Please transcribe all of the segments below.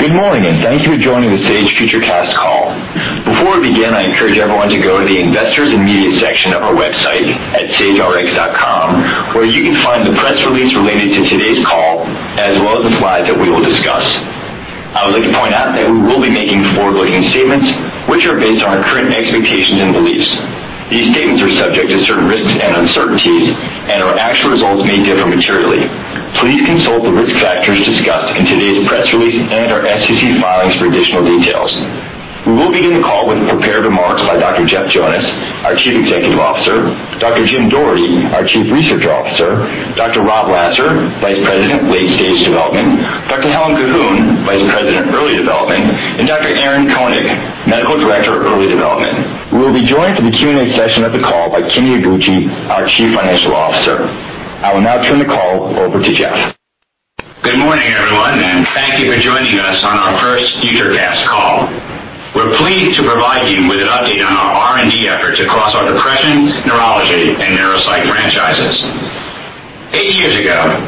Good morning, and thank you for joining the Sage FutureCast call. Before we begin, I encourage everyone to go to the Investors and Media section of our website at sagerx.com, where you can find the press release related to today's call, as well as the slides that we will discuss. I would like to point out that we will be making forward-looking statements, which are based on our current expectations and beliefs. These statements are subject to certain risks and uncertainties, and our actual results may differ materially. Please consult the risk factors discussed in today's press release and our SEC filings for additional details. We will begin the call with prepared remarks by Dr. Jeff Jonas, our Chief Executive Officer, Dr. Jim Doherty, our Chief Research Officer, Dr. Rob Lasser, Vice President, Late Stage Development, Dr. Helen Colquhoun, Vice President, Early Development, and Dr. Aaron Koenig, Medical Director, Early Development. We will be joined for the Q&A session of the call by Kimi Iguchi, our Chief Financial Officer. I will now turn the call over to Jeff. Good morning, everyone, and thank you for joining us on our first FutureCast call. We're pleased to provide you with an update on our R&D efforts across our depression, neurology, and neuropsych franchises. Eight years ago,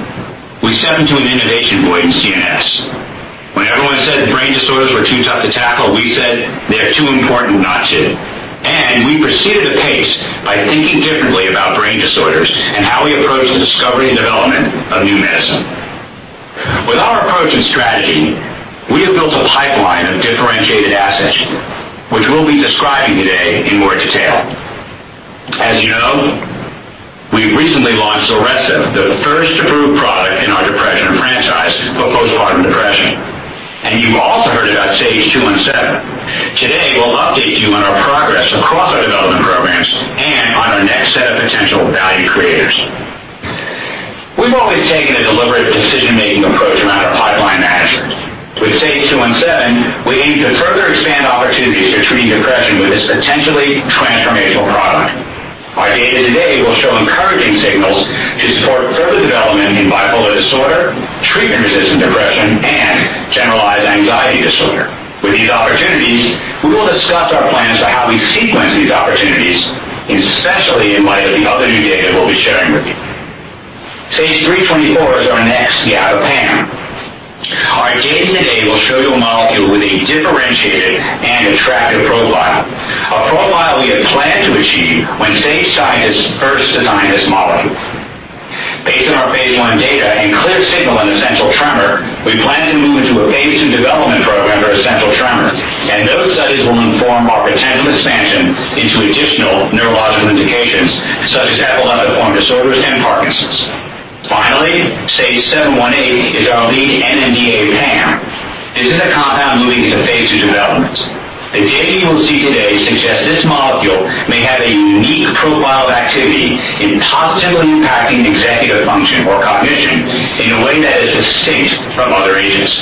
we stepped into an innovation void in CNS. When everyone said brain disorders were too tough to tackle, we said they're too important not to. We proceeded apace by thinking differently about brain disorders and how we approach the discovery and development of new medicine. With our approach and strategy, we have built a pipeline of differentiated assets, which we'll be describing today in more detail. As you know, we recently launched ZULRESSO, the first approved product in our depression franchise for postpartum depression. You also heard about SAGE-217. Today, we'll update you on our progress across our development programs and on our next set of potential value creators. We've always taken a deliberate decision-making approach around our pipeline assets. With SAGE-217, we aim to further expand opportunities for treating depression with this potentially transformational product. Our data today will show encouraging signals to support further development in bipolar disorder, treatment-resistant depression, and generalized anxiety disorder. With these opportunities, we will discuss our plans for how we sequence these opportunities, especially in light of the other new data we'll be sharing with you. SAGE-324 is our next GABA PAM. Our data today will show you a molecule with a differentiated and attractive profile, a profile we had planned to achieve when Sage scientists first designed this molecule. Based on our phase I data and clear signal in essential tremor, we plan to move into a phase II development program for essential tremor. Those studies will inform our potential expansion into additional neurological indications, such as epileptiform disorders and Parkinson's. Finally, SAGE-718 is our lead NMDA PAM. This is a compound moving into phase II development. The data you will see today suggests this molecule may have a unique profile of activity in positively impacting executive function or cognition in a way that is distinct from other agents.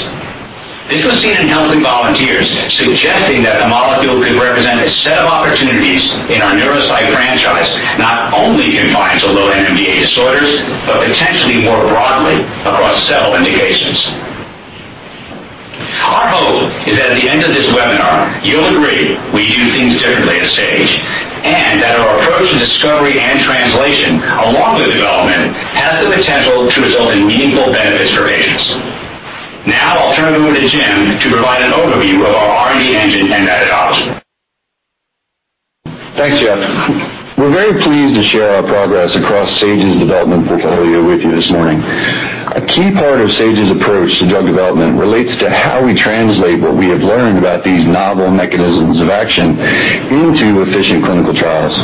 This was seen in healthy volunteers, suggesting that the molecule could represent a set of opportunities in our neuropsych franchise, not only confined to low NMDA disorders, but potentially more broadly across several indications. Our hope is that at the end of this webinar, you'll agree we do things differently at Sage and that our approach to discovery and translation, along with development, has the potential to result in meaningful benefits for patients. Now I'll turn it over to Jim to provide an overview of our R&D engine and methodology. Thanks, Jeff. We're very pleased to share our progress across Sage's development portfolio with you this morning. A key part of Sage's approach to drug development relates to how we translate what we have learned about these novel mechanisms of action into efficient clinical trials.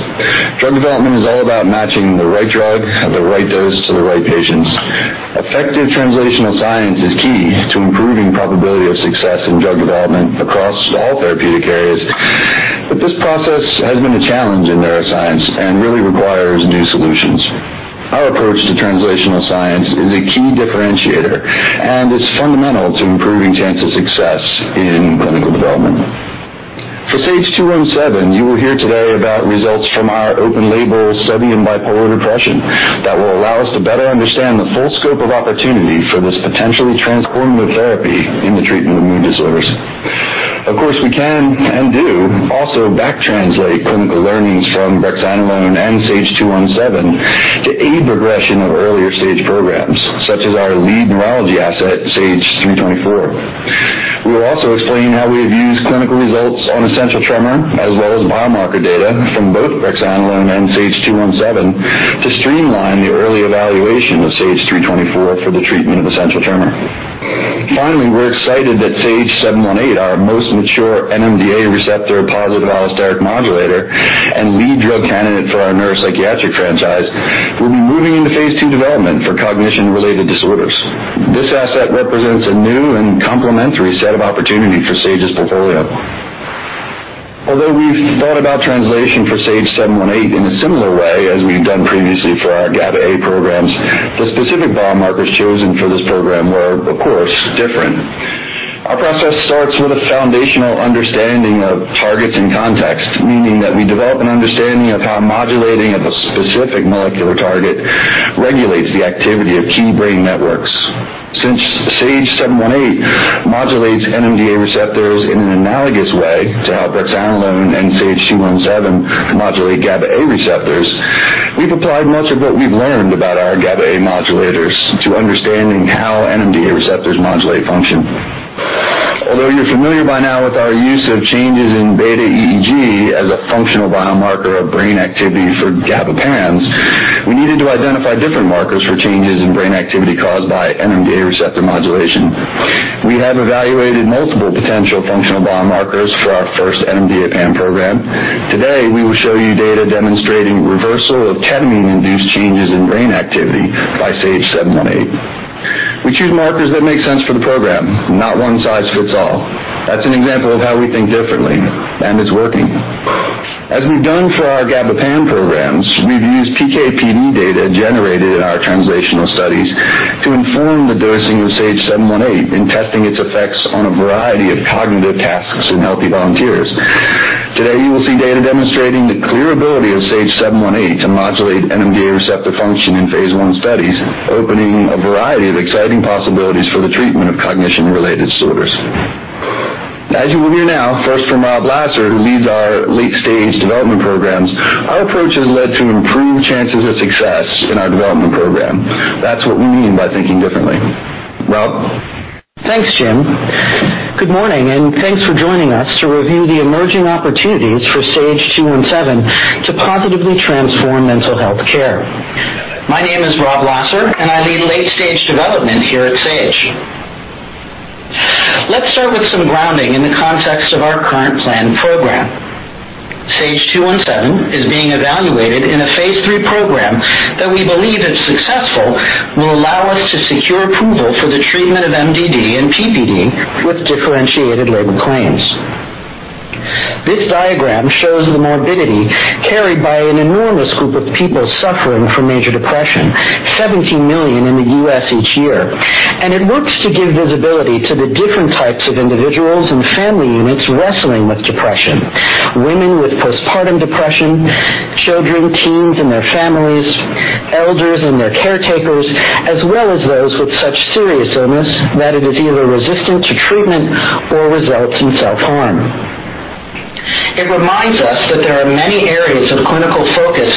Drug development is all about matching the right drug at the right dose to the right patients. Effective translational science is key to improving probability of success in drug development across all therapeutic areas. This process has been a challenge in neuroscience and really requires new solutions. Our approach to translational science is a key differentiator, and it's fundamental to improving chance of success in clinical development. For SAGE-217, you will hear today about results from our open-label study in bipolar depression that will allow us to better understand the full scope of opportunity for this potentially transformative therapy in the treatment of mood disorders. Of course, we can and do also back translate clinical learnings from brexanolone and SAGE-217 to aid progression of earlier-stage programs, such as our lead neurology asset, SAGE-324. We will also explain how we have used clinical results on essential tremor as well as biomarker data from both brexanolone and SAGE-217 to streamline the early evaluation of SAGE-324 for the treatment of essential tremor. Finally, we're excited that SAGE-718, our most mature NMDA receptor-positive allosteric modulator and lead drug candidate for our neuropsychiatric franchise, will be moving into phase II development for cognition-related disorders. This asset represents a new and complementary set of opportunity for Sage's portfolio. Although we've thought about translation for SAGE-718 in a similar way as we've done previously for our GABA A programs, the specific biomarkers chosen for this program were, of course, different. Our process starts with a foundational understanding of targets and context, meaning that we develop an understanding of how modulating of a specific molecular target regulates the activity of key brain networks. Since SAGE-718 modulates NMDA receptors in an analogous way to how brexanolone and SAGE-217 modulate GABA A receptors. We've applied much of what we've learned about our GABA A modulators to understanding how NMDA receptors modulate function. Although you're familiar by now with our use of changes in beta EEG as a functional biomarker of brain activity for GABA PAMs, we needed to identify different markers for changes in brain activity caused by NMDA receptor modulation. We have evaluated multiple potential functional biomarkers for our first NMDA PAM program. Today, we will show you data demonstrating reversal of ketamine-induced changes in brain activity by SAGE-718. We choose markers that make sense for the program, not one size fits all. That's an example of how we think differently, and it's working. As we've done for our GABA PAMs programs, we've used PK/PD data generated in our translational studies to inform the dosing of SAGE-718 in testing its effects on a variety of cognitive tasks in healthy volunteers. Today, you will see data demonstrating the clear ability of SAGE-718 to modulate NMDA receptor function in phase I studies, opening a variety of exciting possibilities for the treatment of cognition-related disorders. As you will hear now, first from Rob Lasser, who leads our late-stage development programs, our approach has led to improved chances of success in our development program. That's what we mean by thinking differently. Rob? Thanks, Jim. Good morning, thanks for joining us to review the emerging opportunities for SAGE-217 to positively transform mental health care. My name is Rob Lasser, I lead late-stage development here at Sage. Let's start with some grounding in the context of our current planned program. SAGE-217 is being evaluated in a phase III program that we believe, if successful, will allow us to secure approval for the treatment of MDD and PPD with differentiated label claims. This diagram shows the morbidity carried by an enormous group of people suffering from major depression, 17 million in the U.S. each year, it looks to give visibility to the different types of individuals and family units wrestling with depression. Women with postpartum depression, children, teens, and their families, elders and their caretakers, as well as those with such serious illness that it is either resistant to treatment or results in self-harm. It reminds us that there are many areas of clinical focus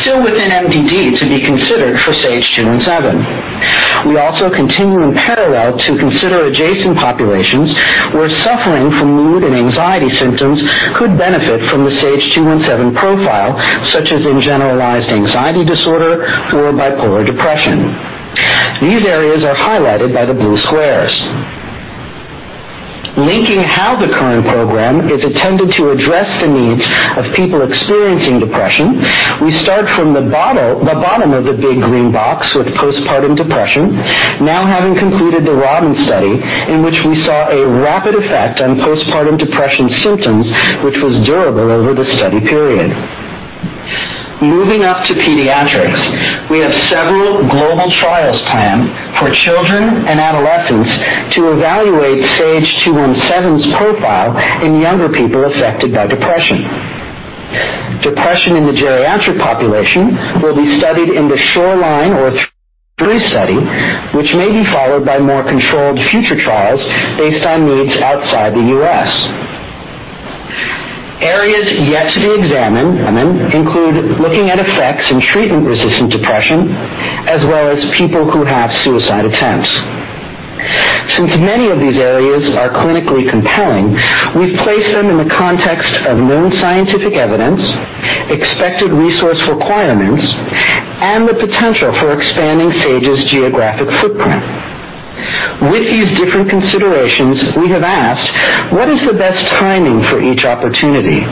still within MDD to be considered for SAGE-217. We also continue in parallel to consider adjacent populations where suffering from mood and anxiety symptoms could benefit from the SAGE-217 profile, such as in generalized anxiety disorder or bipolar depression. These areas are highlighted by the blue squares. Linking how the current program is intended to address the needs of people experiencing depression, we start from the bottom of the big green box with postpartum depression. Now having completed the ROBIN study, in which we saw a rapid effect on postpartum depression symptoms, which was durable over the study period. Moving up to pediatrics, we have several global trials planned for children and adolescents to evaluate SAGE-217's profile in younger people affected by depression. Depression in the geriatric population will be studied in the SHORELINE 3 study, which may be followed by more controlled future trials based on needs outside the U.S. Areas yet to be examined include looking at effects in treatment-resistant depression as well as people who have suicide attempts. Since many of these areas are clinically compelling, we've placed them in the context of known scientific evidence, expected resource requirements, and the potential for expanding Sage's geographic footprint. With these different considerations, we have asked, what is the best timing for each opportunity?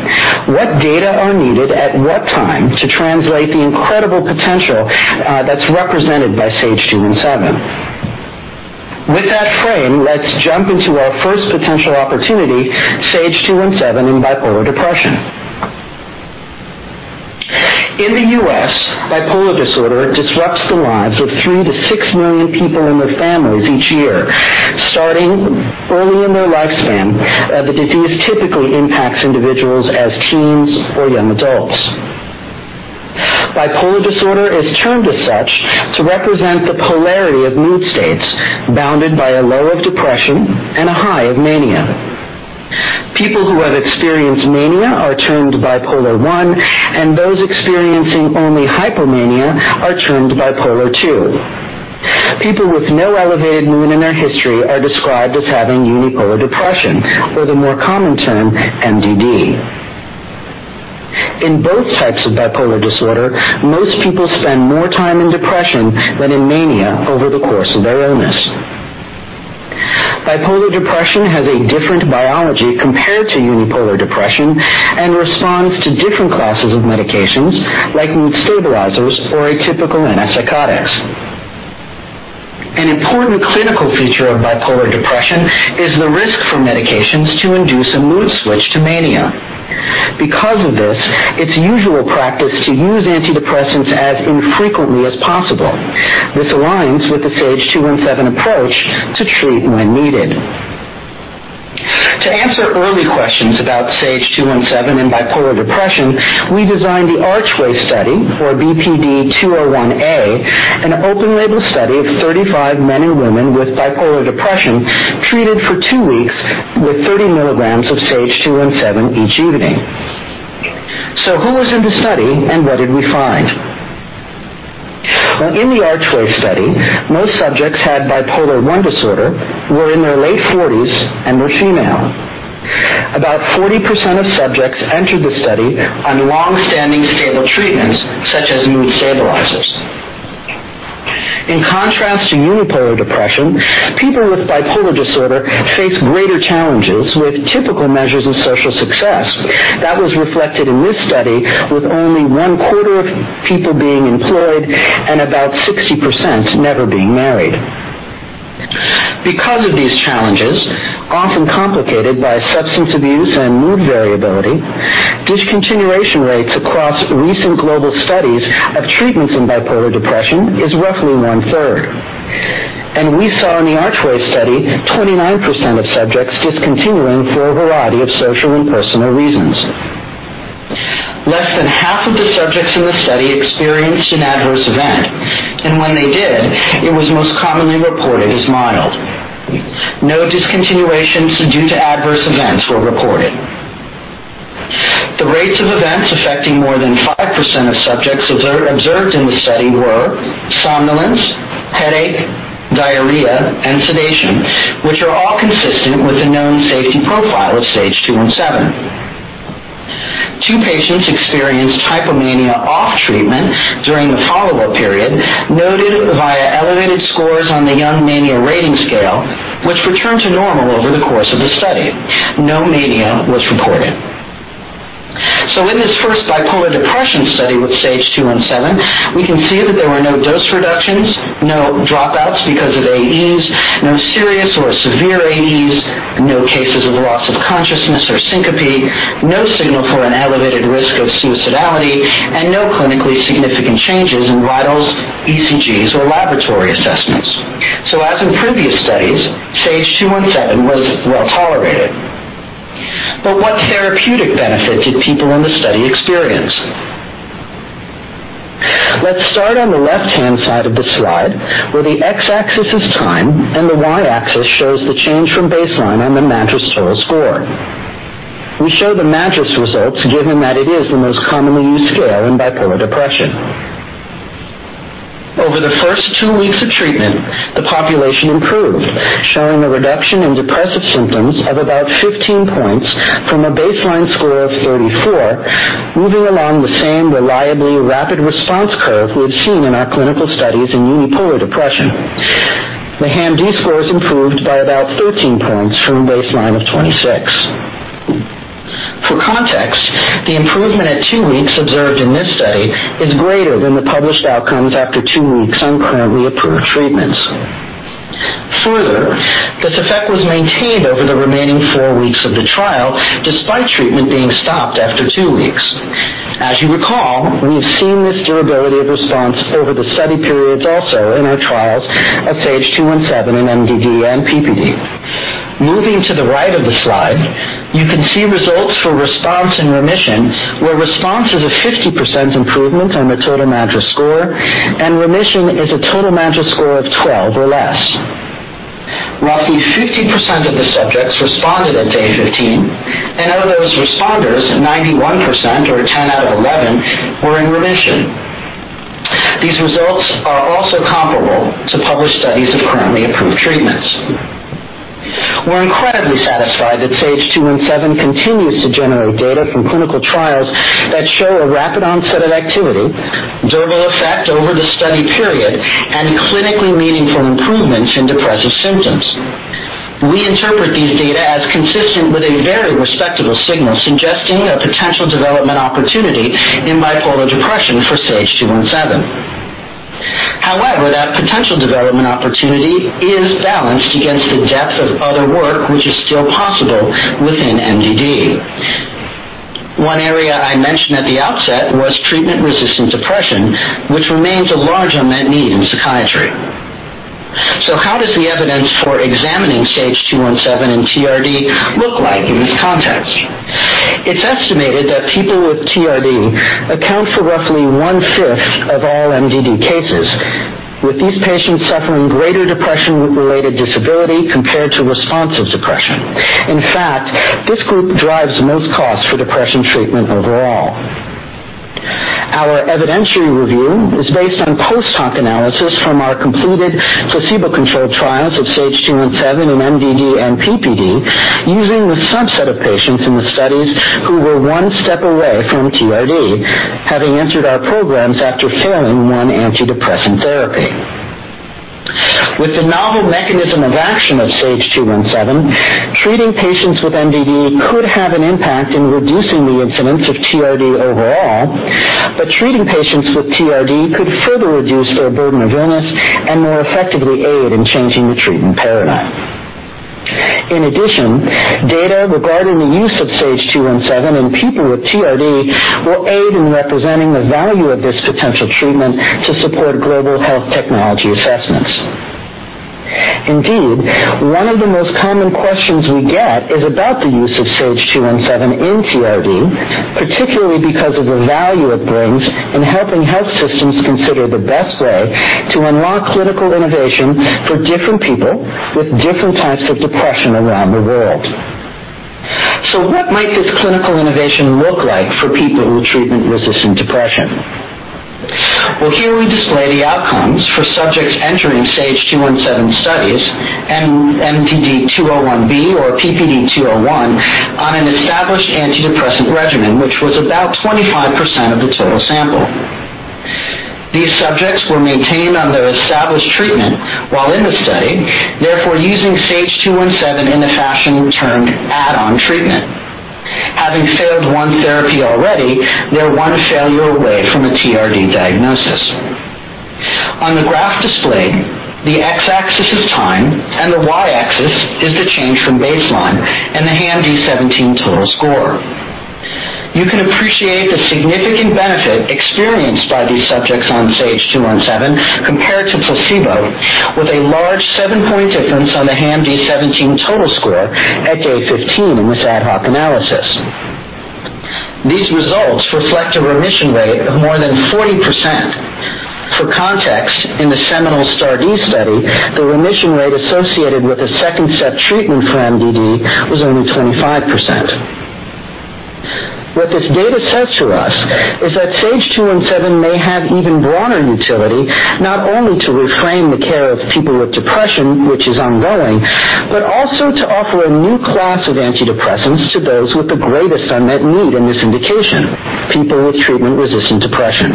What data are needed at what time to translate the incredible potential that's represented by SAGE-217? With that frame, let's jump into our first potential opportunity, SAGE-217 in bipolar depression. In the U.S., bipolar disorder disrupts the lives of 3 million-6 million people and their families each year. Starting early in their lifespan, the disease typically impacts individuals as teens or young adults. Bipolar disorder is termed as such to represent the polarity of mood states bounded by a low of depression and a high of mania. People who have experienced mania are termed bipolar I, and those experiencing only hypomania are termed bipolar II. People with no elevated mood in their history are described as having unipolar depression or the more common term, MDD. In both types of bipolar disorder, most people spend more time in depression than in mania over the course of their illness. Bipolar depression has a different biology compared to unipolar depression and responds to different classes of medications like mood stabilizers or atypical antipsychotics. An important clinical feature of bipolar depression is the risk for medications to induce a mood switch to mania. Because of this, it's usual practice to use antidepressants as infrequently as possible. This aligns with the SAGE-217 approach to treat when needed. To answer early questions about SAGE-217 and bipolar depression, we designed the ARCHWAY study for 217-BPD-201A, an open-label study of 35 men and women with bipolar depression treated for two weeks with 30 milligrams of SAGE-217 each evening. Who was in the study, and what did we find? Well, in the ARCHWAY study, most subjects had bipolar I disorder, were in their late 40s, and were female. About 40% of subjects entered the study on longstanding stable treatments such as mood stabilizers. In contrast to unipolar depression, people with bipolar disorder face greater challenges with typical measures of social success. That was reflected in this study, with only 1/4 Of people being employed and about 60% never being married. Because of these challenges, often complicated by substance abuse and mood variability, discontinuation rates across recent global studies of treatments in bipolar depression is roughly 1/3. We saw in the ARCHWAY study 29% of subjects discontinuing for a variety of social and personal reasons. Less than half of the subjects in the study experienced an adverse event, and when they did, it was most commonly reported as mild. No discontinuations due to adverse events were reported. The rates of events affecting more than 5% of subjects observed in the study were somnolence, headache, diarrhea, and sedation, which are all consistent with the known safety profile of SAGE-217. Two patients experienced hypomania off treatment during the follow-up period, noted via elevated scores on the Young Mania Rating Scale, which returned to normal over the course of the study. No mania was reported. In this first bipolar depression study with SAGE-217, we can see that there were no dose reductions, no dropouts because of AEs, no serious or severe AEs, no cases of loss of consciousness or syncope, no signal for an elevated risk of suicidality, and no clinically significant changes in vitals, ECGs, or laboratory assessments. As in previous studies, SAGE-217 was well-tolerated. What therapeutic benefit did people in the study experience? Let's start on the left-hand side of the slide, where the x-axis is time and the y-axis shows the change from baseline on the MADRS total score. We show the MADRS results given that it is the most commonly used scale in bipolar depression. Over the first two weeks of treatment, the population improved, showing a reduction in depressive symptoms of about 15 points from a baseline score of 34, moving along the same reliably rapid response curve we have seen in our clinical studies in unipolar depression. The HAM-D scores improved by about 13 points from a baseline of 26. For context, the improvement at two weeks observed in this study is greater than the published outcomes after two weeks on currently approved treatments. Further, this effect was maintained over the remaining four weeks of the trial, despite treatment being stopped after two weeks. As you recall, we have seen this durability of response over the study periods also in our trials of SAGE-217 in MDD and PPD. Moving to the right of the slide, you can see results for response and remission, where response is a 50% improvement on the total MADRS score and remission is a total MADRS score of 12 or less. Roughly 50% of the subjects responded at day 15, and of those responders, 91%, or 10 out of 11, were in remission. These results are also comparable to published studies of currently approved treatments. We're incredibly satisfied that SAGE-217 continues to generate data from clinical trials that show a rapid onset of activity, durable effect over the study period, and clinically meaningful improvements in depressive symptoms. We interpret these data as consistent with a very respectable signal suggesting a potential development opportunity in bipolar depression for SAGE-217. However, that potential development opportunity is balanced against the depth of other work which is still possible within MDD. One area I mentioned at the outset was treatment-resistant depression, which remains a large unmet need in psychiatry. What does the evidence for examining SAGE-217 in TRD look like in this context? It's estimated that people with TRD account for roughly 1/5 of all MDD cases, with these patients suffering greater depression-related disability compared to responsive depression. In fact, this group drives the most cost for depression treatment overall. Our evidentiary review is based on post hoc analysis from our completed placebo-controlled trials of SAGE-217 in MDD and PPD, using the subset of patients in the studies who were one step away from TRD, having entered our programs after failing one antidepressant therapy. With the novel mechanism of action of SAGE-217, treating patients with MDD could have an impact in reducing the incidence of TRD overall. Treating patients with TRD could further reduce their burden of illness and more effectively aid in changing the treatment paradigm. In addition, data regarding the use of SAGE-217 in people with TRD will aid in representing the value of this potential treatment to support global health technology assessments. Indeed, one of the most common questions we get is about the use of SAGE-217 in TRD, particularly because of the value it brings in helping health systems consider the best way to unlock clinical innovation for different people with different types of depression around the world. What might this clinical innovation look like for people with treatment-resistant depression? Here we display the outcomes for subjects entering SAGE-217 studies, MDD-201B or PPD-201, on an established antidepressant regimen, which was about 25% of the total sample. These subjects were maintained on their established treatment while in the study, therefore, using SAGE-217 in a fashion termed add-on treatment. Having failed one therapy already, they're one failure away from a TRD diagnosis. On the graph displayed, the x-axis is time, and the y-axis is the change from baseline in the HAM-D17 total score. You can appreciate the significant benefit experienced by these subjects on SAGE-217 compared to placebo, with a large seven-point difference on the HAM-D17 total score at day 15 in this ad hoc analysis. These results reflect a remission rate of more than 40%. For context, in the seminal STAR*D study, the remission rate associated with a second-step treatment for MDD was only 25%. What this data says to us is that SAGE-217 may have even broader utility, not only to reframe the care of people with depression, which is ongoing, but also to offer a new class of antidepressants to those with the greatest unmet need in this indication, people with treatment-resistant depression.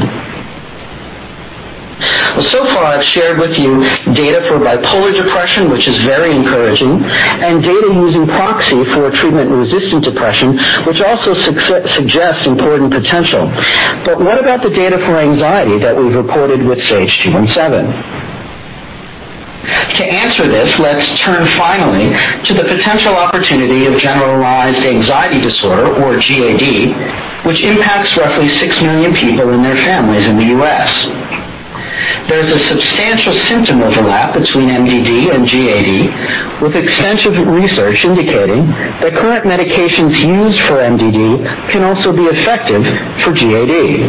So far, I've shared with you data for bipolar depression, which is very encouraging, and data using proxy for treatment-resistant depression, which also suggests important potential. What about the data for anxiety that we've reported with SAGE-217? To answer this, let's turn finally to the potential opportunity of generalized anxiety disorder, or GAD, which impacts roughly 6 million people and their families in the U.S. There is a substantial symptom overlap between MDD and GAD, with extensive research indicating that current medications used for MDD can also be effective for GAD.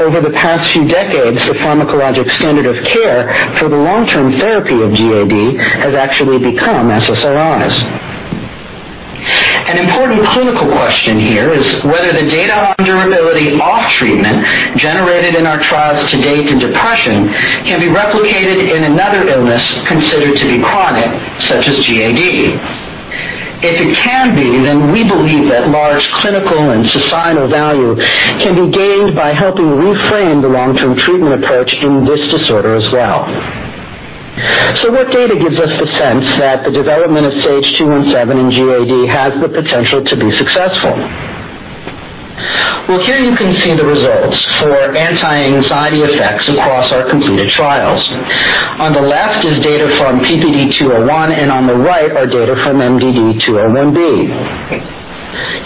Over the past few decades, the pharmacologic standard of care for the long-term therapy of GAD has actually become SSRIs. An important clinical question here is whether the data on durability off treatment generated in our trials to date in depression can be replicated in another illness considered to be chronic, such as GAD. We believe that large clinical and societal value can be gained by helping reframe the long-term treatment approach in this disorder as well. What data gives us the sense that the development of SAGE-217 in GAD has the potential to be successful? Well, here you can see the results for anti-anxiety effects across our completed trials. On the left is data from PPD-201, and on the right are data from MDD-201B.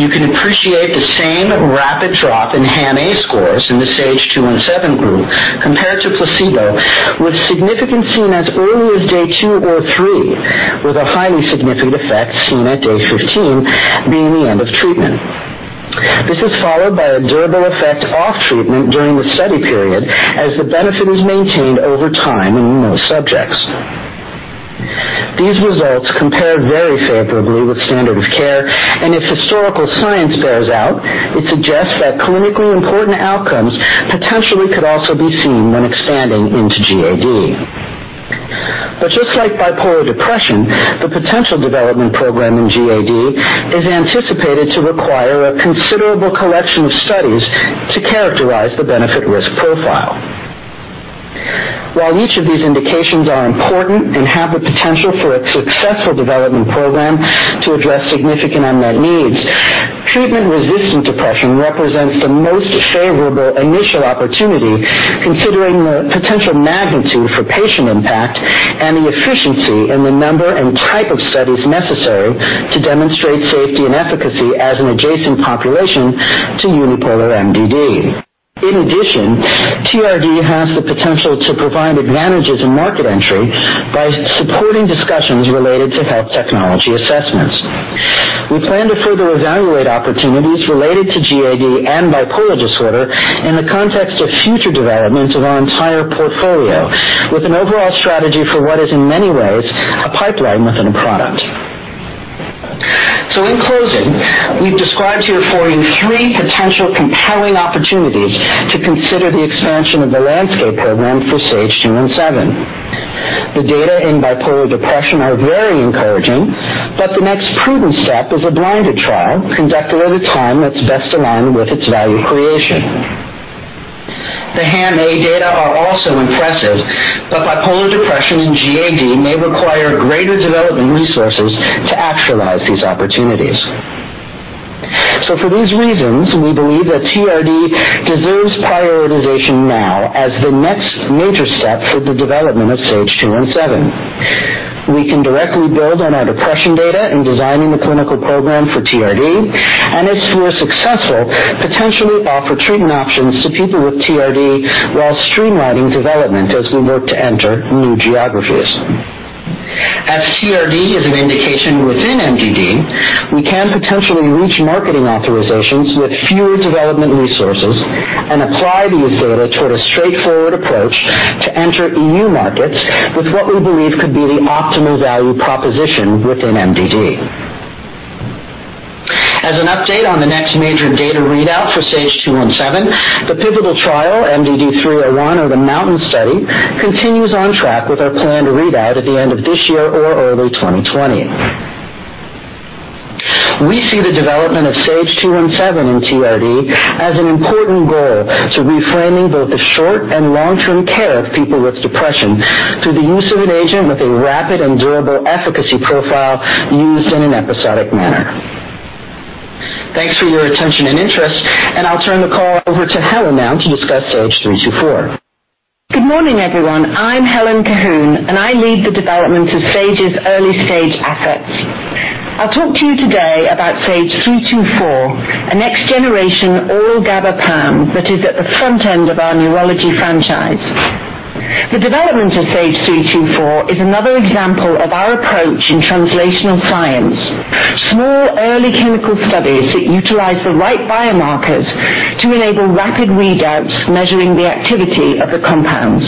You can appreciate the same rapid drop in HAM-A scores in the SAGE-217 group compared to placebo, with significance seen as early as day 2 or 3, with a highly significant effect seen at day 15, being the end of treatment. This is followed by a durable effect off treatment during the study period as the benefit is maintained over time in most subjects. If historical science bears out, it suggests that clinically important outcomes potentially could also be seen when expanding into GAD. Just like bipolar depression, the potential development program in GAD is anticipated to require a considerable collection of studies to characterize the benefit risk profile. While each of these indications are important and have the potential for a successful development program to address significant unmet needs, treatment-resistant depression represents the most favorable initial opportunity considering the potential magnitude for patient impact and the efficiency in the number and type of studies necessary to demonstrate safety and efficacy as an adjacent population to unipolar MDD. In addition, TRD has the potential to provide advantages in market entry by supporting discussions related to health technology assessments. We plan to further evaluate opportunities related to GAD and bipolar disorder in the context of future developments of our entire portfolio with an overall strategy for what is, in many ways, a pipeline within a product. In closing, we've described here for you three potential compelling opportunities to consider the expansion of the LANDSCAPE program for SAGE-217. The data in bipolar depression are very encouraging, but the next prudent step is a blinded trial conducted at a time that's best aligned with its value creation. The HAM-A data are also impressive, but bipolar depression and GAD may require greater development resources to actualize these opportunities. For these reasons, we believe that TRD deserves prioritization now as the next major step for the development of SAGE-217. We can directly build on our depression data in designing the clinical program for TRD, and if we're successful, potentially offer treatment options to people with TRD while streamlining development as we work to enter new geographies. As TRD is an indication within MDD, we can potentially reach marketing authorizations with fewer development resources and apply these data toward a straightforward approach to enter EU markets with what we believe could be the optimal value proposition within MDD. As an update on the next major data readout for SAGE-217, the pivotal trial, MDD-301 or the MOUNTAIN study, continues on track with our plan to read out at the end of this year or early 2020. We see the development of SAGE-217 in TRD as an important goal to reframing both the short and long-term care of people with depression through the use of an agent with a rapid and durable efficacy profile used in an episodic manner. Thanks for your attention and interest. I'll turn the call over to Helen now to discuss SAGE-324. Good morning, everyone. I'm Helen Colquhoun. I lead the development of Sage's early-stage assets. I'll talk to you today about SAGE-324, a next-generation oral GABA PAM that is at the front end of our neurology franchise. The development of SAGE-324 is another example of our approach in translational science. Small, early clinical studies that utilize the right biomarkers to enable rapid readouts measuring the activity of the compounds.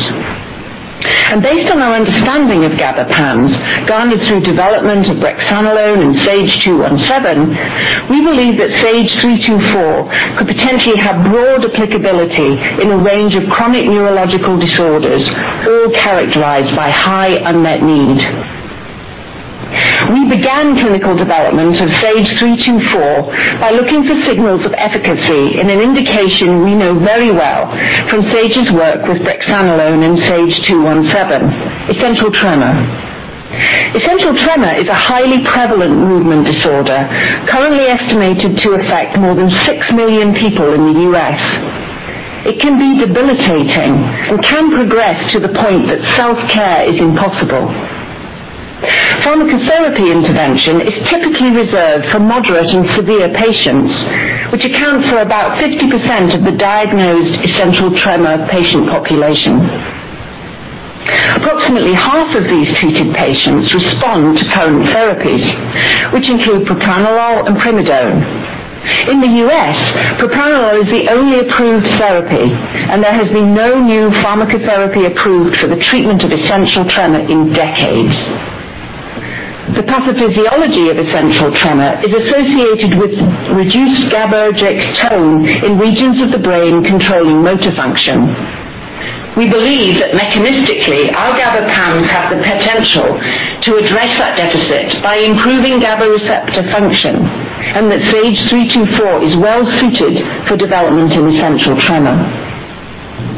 Based on our understanding of GABA PAMs garnered through development of brexanolone and SAGE-217, we believe that SAGE-324 could potentially have broad applicability in a range of chronic neurological disorders, all characterized by high unmet need. We began clinical development of SAGE-324 by looking for signals of efficacy in an indication we know very well from Sage's work with brexanolone and SAGE-217, essential tremor. Essential tremor is a highly prevalent movement disorder currently estimated to affect more than 6 million people in the U.S. It can be debilitating and can progress to the point that self-care is impossible. Pharmacotherapy intervention is typically reserved for moderate and severe patients, which account for about 50% of the diagnosed essential tremor patient population. Approximately half of these treated patients respond to current therapies, which include propranolol and primidone. In the U.S., propranolol is the only approved therapy. There has been no new pharmacotherapy approved for the treatment of essential tremor in decades. The pathophysiology of essential tremor is associated with reduced GABAergic tone in regions of the brain controlling motor function. We believe that mechanistically, our GABA PAMs have the potential to address that deficit by improving GABA receptor function. SAGE-324 is well-suited for development in essential tremor.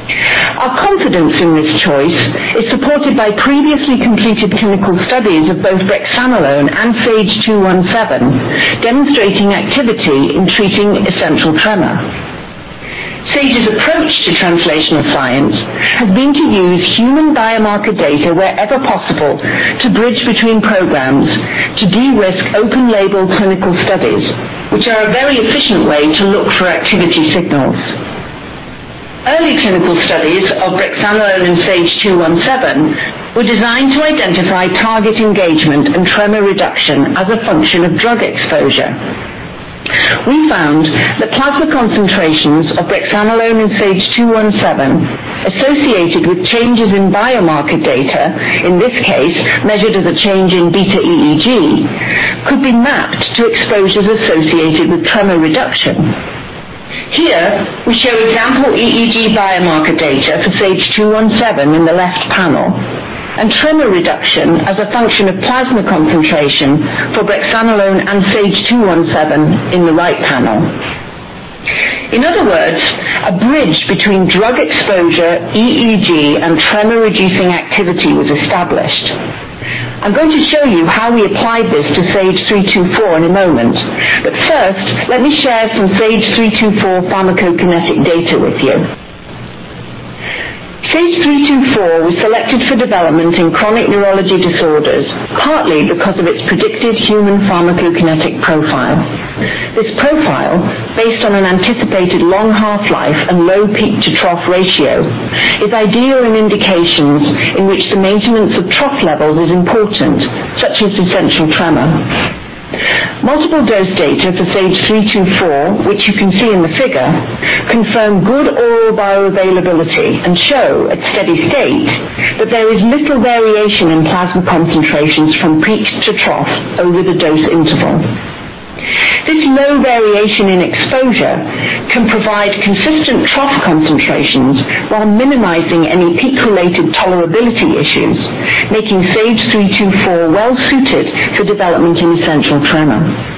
Our confidence in this choice is supported by previously completed clinical studies of both brexanolone and SAGE-217, demonstrating activity in treating essential tremor. Sage's approach to translational science has been to use human biomarker data wherever possible to bridge between programs to de-risk open label clinical studies, which are a very efficient way to look for activity signals. Early clinical studies of brexanolone and SAGE-217 were designed to identify target engagement and tremor reduction as a function of drug exposure. We found that plasma concentrations of brexanolone and SAGE-217 associated with changes in biomarker data, in this case, measured as a change in beta EEG, could be mapped to exposures associated with tremor reduction. Here, we show example EEG biomarker data for SAGE-217 in the left panel, and tremor reduction as a function of plasma concentration for brexanolone and SAGE-217 in the right panel. In other words, a bridge between drug exposure, EEG, and tremor-reducing activity was established. I'm going to show you how we applied this to SAGE-324 in a moment. First, let me share some SAGE-324 pharmacokinetic data with you. SAGE-324 was selected for development in chronic neurology disorders, partly because of its predicted human pharmacokinetic profile. This profile, based on an anticipated long half-life and low peak-to-trough ratio, is ideal in indications in which the maintenance of trough levels is important, such as essential tremor. Multiple dose data for SAGE-324, which you can see in the figure, confirm good oral bioavailability and show at steady state that there is little variation in plasma concentrations from peak to trough over the dose interval. This low variation in exposure can provide consistent trough concentrations while minimizing any peak-related tolerability issues, making SAGE-324 well-suited for development in essential tremor.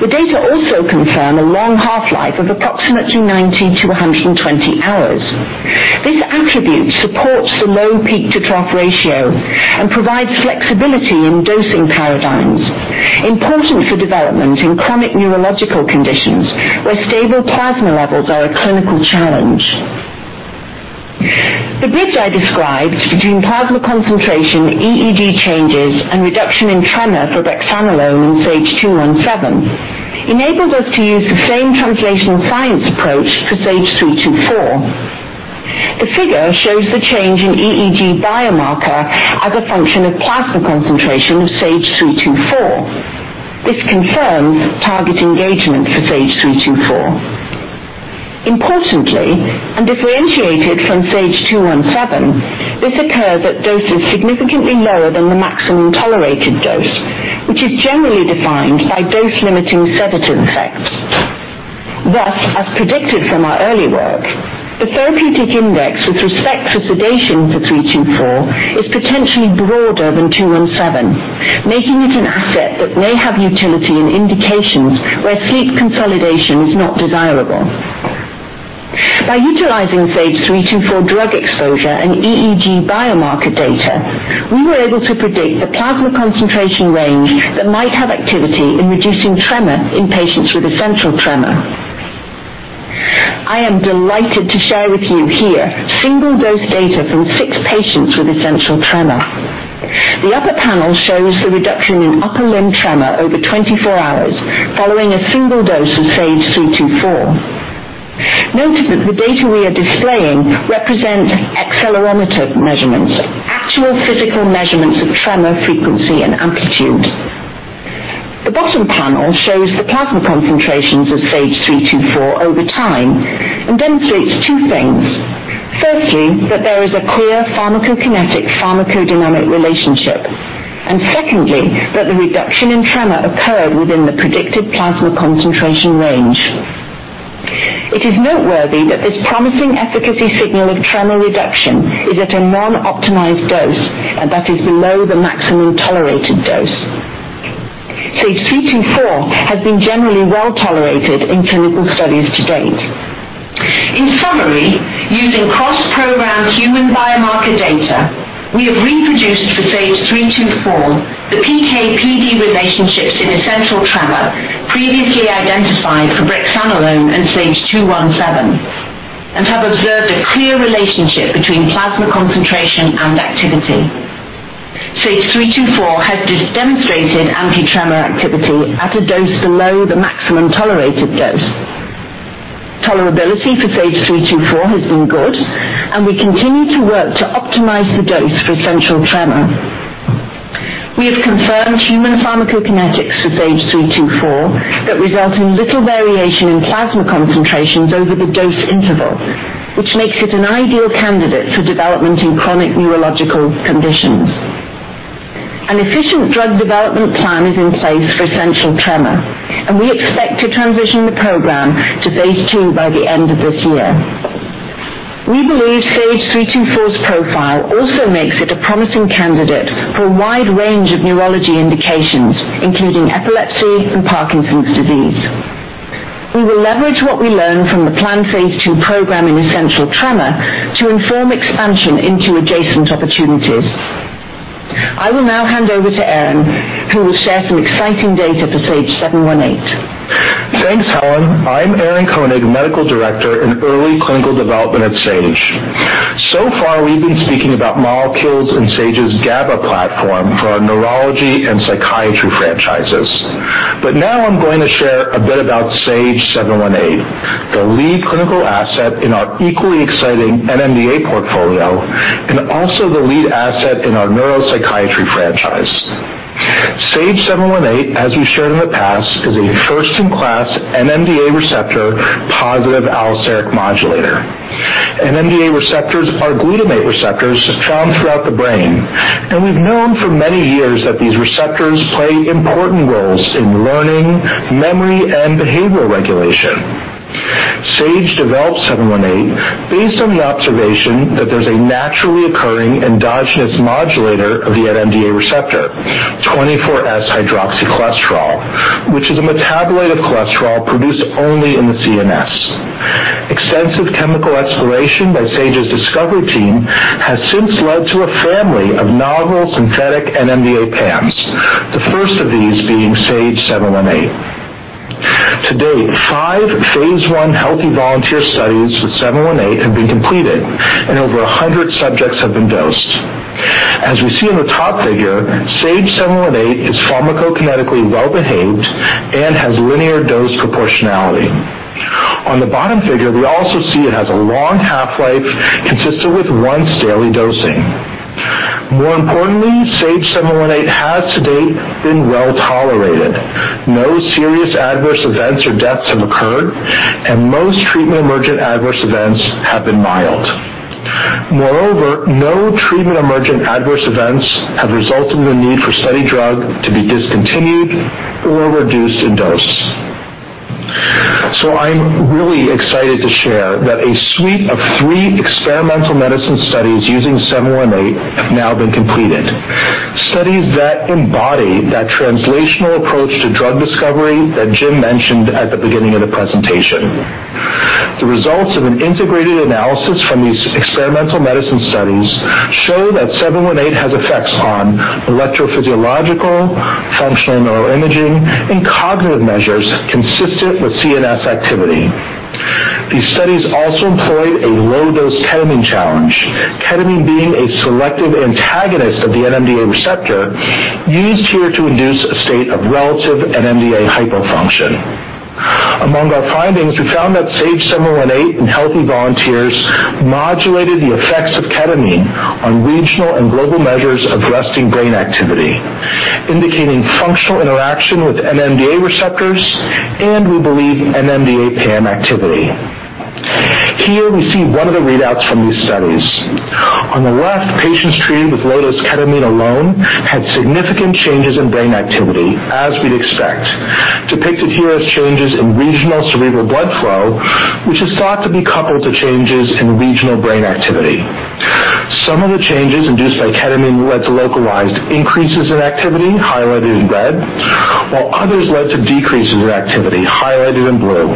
The data also confirm a long half-life of approximately 90-120 hours. This attribute supports the low peak-to-trough ratio and provides flexibility in dosing paradigms, important for development in chronic neurological conditions where stable plasma levels are a clinical challenge. The bridge I described between plasma concentration, EEG changes, and reduction in tremor for brexanolone and SAGE-217 enabled us to use the same translational science approach for SAGE-324. The figure shows the change in EEG biomarker as a function of plasma concentration of SAGE-324. This confirms target engagement for SAGE-324. Importantly, and differentiated from SAGE-217, this occurred at doses significantly lower than the maximum tolerated dose, which is generally defined by dose-limiting sedative effects. As predicted from our early work, the therapeutic index with respect to sedation for SAGE-324 is potentially broader than SAGE-217, making it an asset that may have utility in indications where sleep consolidation is not desirable. By utilizing SAGE-324 drug exposure and EEG biomarker data, we were able to predict the plasma concentration range that might have activity in reducing tremor in patients with essential tremor. I am delighted to share with you here single-dose data from six patients with essential tremor. The upper panel shows the reduction in upper limb tremor over 24 hours following a single dose of SAGE-324. Note that the data we are displaying represent accelerometer measurements, actual physical measurements of tremor frequency and amplitude. The bottom panel shows the plasma concentrations of SAGE-324 over time and demonstrates two things. Firstly, that there is a clear pharmacokinetic/pharmacodynamic relationship, and secondly, that the reduction in tremor occurred within the predicted plasma concentration range. It is noteworthy that this promising efficacy signal of tremor reduction is at a non-optimized dose, and that is below the maximum tolerated dose. SAGE-324 has been generally well-tolerated in clinical studies to date. In summary, using cross-program human biomarker data, we have reproduced for SAGE-324 the PK/PD relationships in essential tremor previously identified for brexanolone and SAGE-217, and have observed a clear relationship between plasma concentration and activity. SAGE-324 has demonstrated anti-tremor activity at a dose below the maximum tolerated dose. Tolerability for SAGE-324 has been good, and we continue to work to optimize the dose for essential tremor. We have confirmed human pharmacokinetics for SAGE-324 that result in little variation in plasma concentrations over the dose interval, which makes it an ideal candidate for development in chronic neurological conditions. An efficient drug development plan is in place for essential tremor, and we expect to transition the program to phase II by the end of this year. We believe SAGE-324's profile also makes it a promising candidate for a wide range of neurology indications, including epilepsy and Parkinson's disease. We will leverage what we learn from the planned phase II program in essential tremor to inform expansion into adjacent opportunities. I will now hand over to Aaron, who will share some exciting data for SAGE-718. Thanks, Helen. I'm Aaron Koenig, Medical Director in Early Clinical Development at Sage. Far, we've been speaking about molecules in Sage's GABA platform for our neurology and psychiatry franchises. Now I'm going to share a bit about SAGE-718, the lead clinical asset in our equally exciting NMDA portfolio and also the lead asset in our neuropsychiatry franchise. SAGE-718, as we shared in the past, is a first-in-class NMDA receptor positive allosteric modulator. NMDA receptors are glutamate receptors found throughout the brain. We've known for many years that these receptors play important roles in learning, memory, and behavioral regulation. Sage developed 718 based on the observation that there's a naturally occurring endogenous modulator of the NMDA receptor, 24S-hydroxycholesterol, which is a metabolite of cholesterol produced only in the CNS. Extensive chemical exploration by Sage's discovery team has since led to a family of novel synthetic NMDA PAMs. The first of these being SAGE-718. To date, five phase I healthy volunteer studies with 718 have been completed, and over 100 subjects have been dosed. As we see in the top figure, SAGE-718 is pharmacokinetically well-behaved and has linear dose proportionality. On the bottom figure, we also see it has a long half-life consistent with once-daily dosing. More importantly, SAGE-718 has to date been well-tolerated. No serious adverse events or deaths have occurred, and most treatment-emergent adverse events have been mild. Moreover, no treatment-emergent adverse events have resulted in a need for study drug to be discontinued or reduced in dose. I'm really excited to share that a suite of three experimental medicine studies using 718 have now been completed. Studies that embody that translational approach to drug discovery that Jim mentioned at the beginning of the presentation. The results of an integrated analysis from these experimental medicine studies show that SAGE-718 has effects on electrophysiological, functional neural imaging, and cognitive measures consistent with CNS activity. These studies also employed a low-dose ketamine challenge, ketamine being a selective antagonist of the NMDA receptor, used here to induce a state of relative NMDA hypofunction. Among our findings, we found that SAGE-718 in healthy volunteers modulated the effects of ketamine on regional and global measures of resting brain activity, indicating functional interaction with NMDA receptors, and we believe NMDA PAM activity. Here we see one of the readouts from these studies. On the left, patients treated with low-dose ketamine alone had significant changes in brain activity, as we'd expect. Depicted here is changes in regional cerebral blood flow, which is thought to be coupled to changes in regional brain activity. Some of the changes induced by ketamine led to localized increases in activity, highlighted in red, while others led to decreases in activity, highlighted in blue.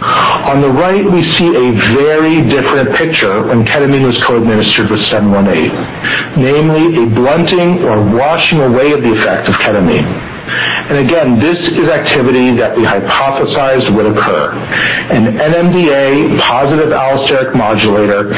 On the right, we see a very different picture when ketamine was co-administered with 718, namely a blunting or washing away of the effect of ketamine. Again, this is activity that we hypothesized would occur. An NMDA positive allosteric modulator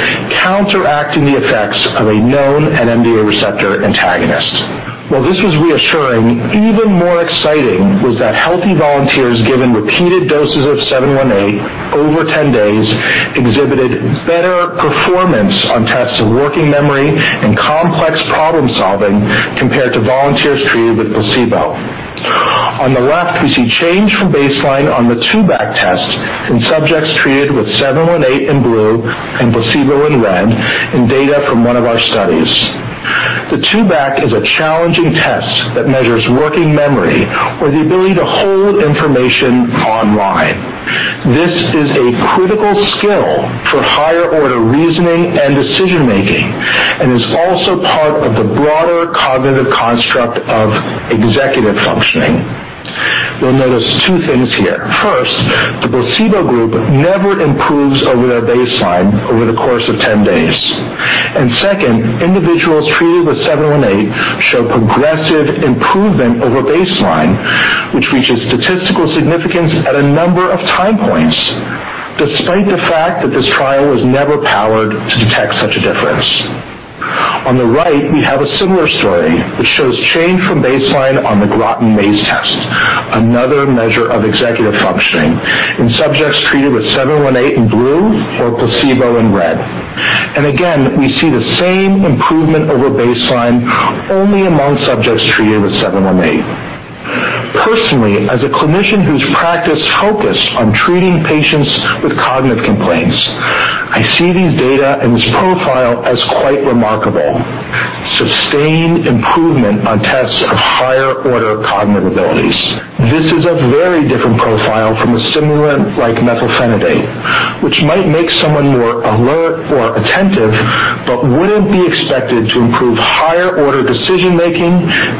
counteracting the effects of a known NMDA receptor antagonist. While this was reassuring, even more exciting was that healthy volunteers given repeated doses of 718 over 10 days exhibited better performance on tests of working memory and complex problem-solving compared to volunteers treated with placebo. On the left, we see change from baseline on the two-back test in subjects treated with 718 in blue and placebo in red in data from one of our studies. The two-back is a challenging test that measures working memory or the ability to hold information online. This is a critical skill for higher-order reasoning and decision-making and is also part of the broader cognitive construct of executive functioning. You'll notice two things here. First, the placebo group never improves over their baseline over the course of 10 days. Second, individuals treated with 718 show progressive improvement over baseline, which reaches statistical significance at a number of time points, despite the fact that this trial was never powered to detect such a difference. On the right, we have a similar story that shows change from baseline on the Groton Maze Test, another measure of executive functioning in subjects treated with 718 in blue or placebo in red. Again, we see the same improvement over baseline only among subjects treated with 718. Personally, as a clinician whose practice focused on treating patients with cognitive complaints, I see these data and this profile as quite remarkable. Sustained improvement on tests of higher-order cognitive abilities. This is a very different profile from a stimulant like methylphenidate, which might make someone more alert or attentive but wouldn't be expected to improve higher-order decision-making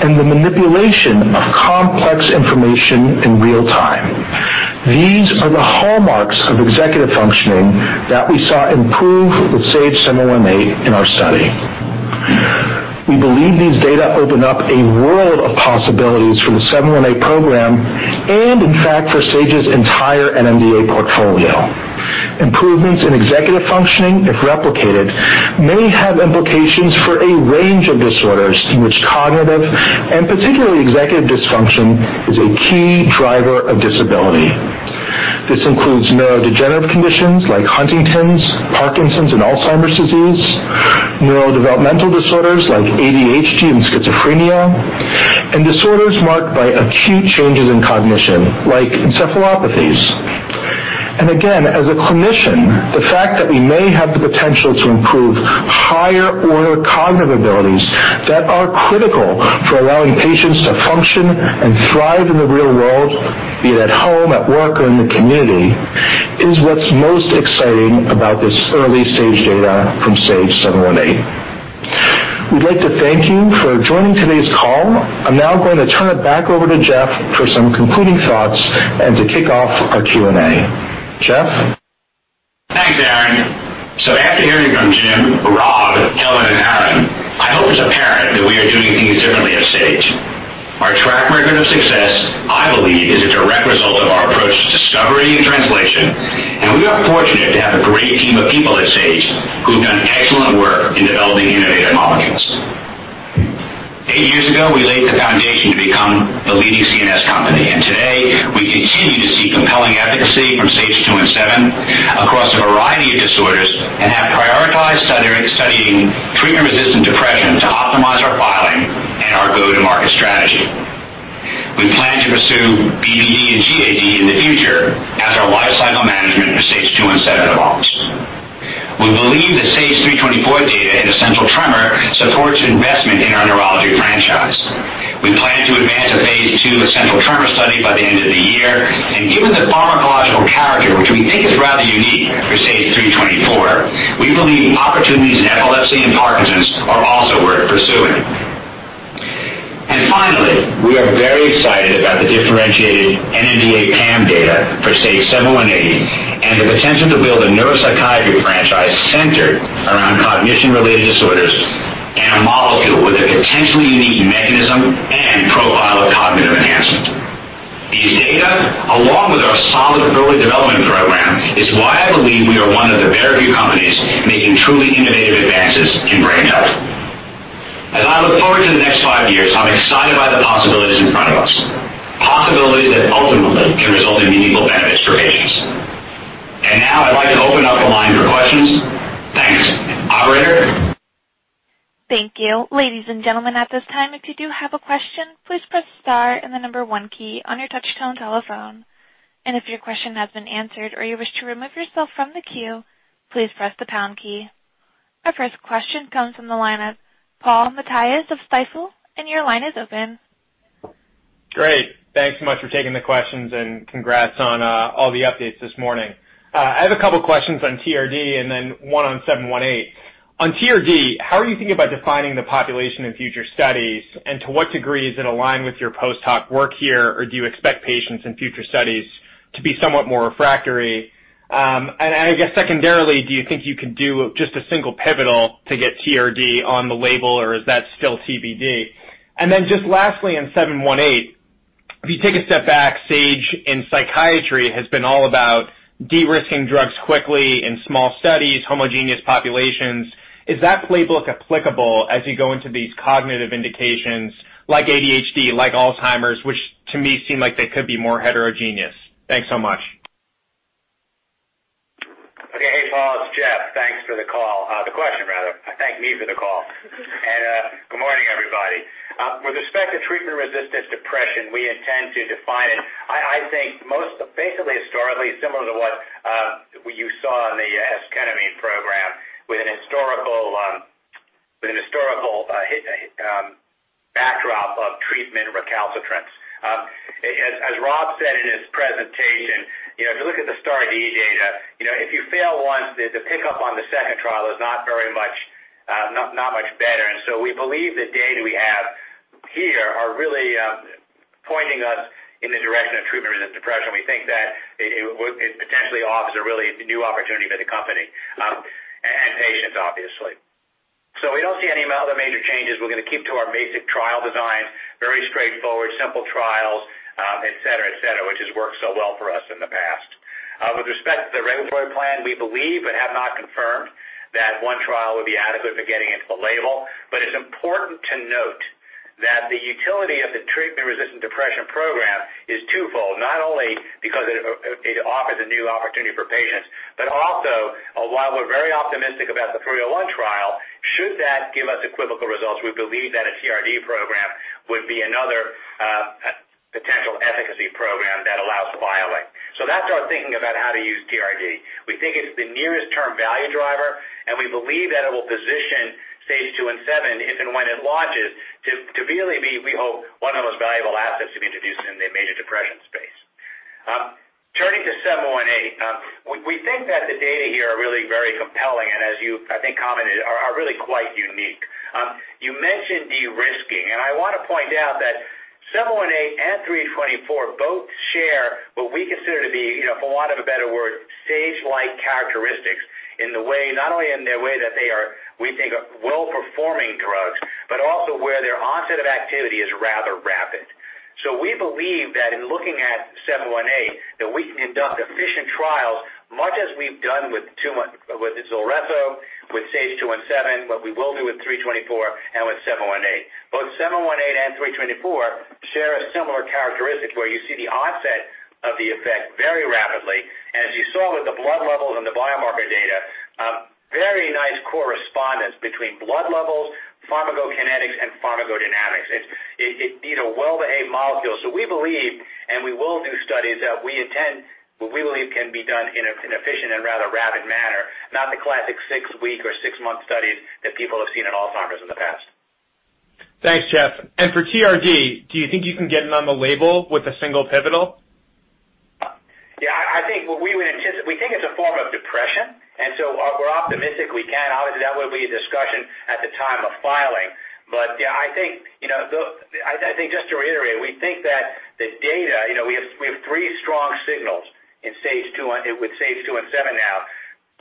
and the manipulation of complex information in real time. These are the hallmarks of executive functioning that we saw improve with SAGE-718 in our study. We believe these data open up a world of possibilities for the 718 program and, in fact, for Sage's entire NMDA portfolio. Improvements in executive functioning, if replicated, may have implications for a range of disorders in which cognitive, and particularly executive dysfunction, is a key driver of disability. This includes neurodegenerative conditions like Huntington's, Parkinson's, and Alzheimer's disease, neurodevelopmental disorders like ADHD and schizophrenia, and disorders marked by acute changes in cognition, like encephalopathies. Again, as a clinician, the fact that we may have the potential to improve higher-order cognitive abilities that are critical for allowing patients to function and thrive in the real world, be it at home, at work, or in the community, is what's most exciting about this early-stage data from SAGE-718. We'd like to thank you for joining today's call. I'm now going to turn it back over to Jeff for some concluding thoughts and to kick off our Q&A. Jeff? Thanks, Aaron. After hearing from Jim, Rob, Helen, and Aaron, I hope it's apparent that we are doing things differently at Sage. Our track record of success, I believe, is a direct result of our approach to discovery and translation, we are fortunate to have a great team of people at Sage who've done excellent work in developing innovative molecules. Eight years ago, we laid the foundation to become the leading CNS company, today we continue to see compelling efficacy from SAGE-217 across a variety of disorders and have prioritized studying treatment-resistant depression to optimize our filing and our go-to-market strategy. We plan to pursue BPD and GAD in the future as our lifecycle management for SAGE-217 evolves. We believe the SAGE-324 data in essential tremor supports investment in our neurology franchise. We plan to advance a phase II essential tremor study by the end of the year, and given the pharmacological character, which we think is rather unique for SAGE-324, we believe opportunities in epilepsy and Parkinson's are also worth pursuing. Finally, we are very excited about the differentiated NMDA PAM data for SAGE-718 and the potential to build a neuropsychiatry franchise centered around cognition-related disorders and a molecule with a potentially unique mechanism and profile of cognitive enhancement. These data, along with our solid early development program, is why I believe we are one of the very few companies making truly innovative advances in brain health. The possibilities in front of us. Possibilities that ultimately can result in meaningful benefits for patients. Now I'd like to open up the line for questions. Thanks. Operator? Thank you. Ladies and gentlemen, at this time, if you do have a question, please press star and the number one key on your touchtone telephone. If your question has been answered or you wish to remove yourself from the queue, please press the pound key. Our first question comes from the line of Paul Matteis of Stifel, and your line is open. Great. Thanks so much for taking the questions, and congrats on all the updates this morning. I have a couple questions on TRD and then one on SAGE-718. On TRD, how are you thinking about defining the population in future studies, and to what degree is it aligned with your post-hoc work here, or do you expect patients in future studies to be somewhat more refractory? I guess secondarily, do you think you can do just a single pivotal to get TRD on the label, or is that still TBD? Then just lastly, on SAGE-718, if you take a step back, Sage in psychiatry has been all about de-risking drugs quickly in small studies, homogeneous populations. Is that playbook applicable as you go into these cognitive indications like ADHD, like Alzheimer's, which to me seem like they could be more heterogeneous? Thanks so much. Okay. Hey, Paul, it's Jeff. Thanks for the call. The question, rather. I thank me for the call. Good morning, everybody. With respect to treatment-resistant depression, we intend to define it. I think most basically historically similar to what you saw in the esketamine program with an historical backdrop of treatment recalcitrance. As Rob said in his presentation, if you look at the STAR*D data, if you fail once, the pickup on the second trial is not much better. We believe the data we have here are really pointing us in the direction of treatment-resistant depression. We think that it potentially offers a really new opportunity for the company and patients, obviously. We don't see any other major changes. We're going to keep to our basic trial design, very straightforward, simple trials, et cetera, which has worked so well for us in the past. With respect to the regulatory plan, we believe but have not confirmed that one trial would be adequate for getting into the label. It's important to note that the utility of the treatment-resistant depression program is twofold, not only because it offers a new opportunity for patients, but also while we're very optimistic about the MDD301 trial, should that give us equivocal results, we believe that a TRD program would be another potential efficacy program that allows the BLA. That's our thinking about how to use TRD. We think it's the nearest term value driver, and we believe that it will position SAGE-217 if and when it launches to really be, we hope, one of the most valuable assets to be introduced in the major depression space. Turning to SAGE-718, we think that the data here are really very compelling, and as you, I think, commented, are really quite unique. You mentioned de-risking. I want to point out that SAGE-718 and SAGE-324 both share what we consider to be, for want of a better word, Sage-like characteristics in the way, not only in the way that they are, we think, well-performing drugs, but also where their onset of activity is rather rapid. We believe that in looking at SAGE-718, that we can conduct efficient trials much as we've done with ZULRESSO, with SAGE-217, what we will do with SAGE-324 and with SAGE-718. Both SAGE-718 and SAGE-324 share a similar characteristic where you see the onset of the effect very rapidly. As you saw with the blood levels and the biomarker data, very nice correspondence between blood levels, pharmacokinetics, and pharmacodynamics. It's a well-behaved molecule. We believe, and we will do studies that we intend what we believe can be done in an efficient and rather rapid manner, not the classic six-week or six-month studies that people have seen in Alzheimer's in the past. Thanks, Jeff. For TRD, do you think you can get it on the label with a single pivotal? Yeah, we think it's a form of depression, and so we're optimistic we can. Obviously, that would be a discussion at the time of filing. Yeah, I think just to reiterate, we think that the data, we have three strong signals with SAGE-217 now,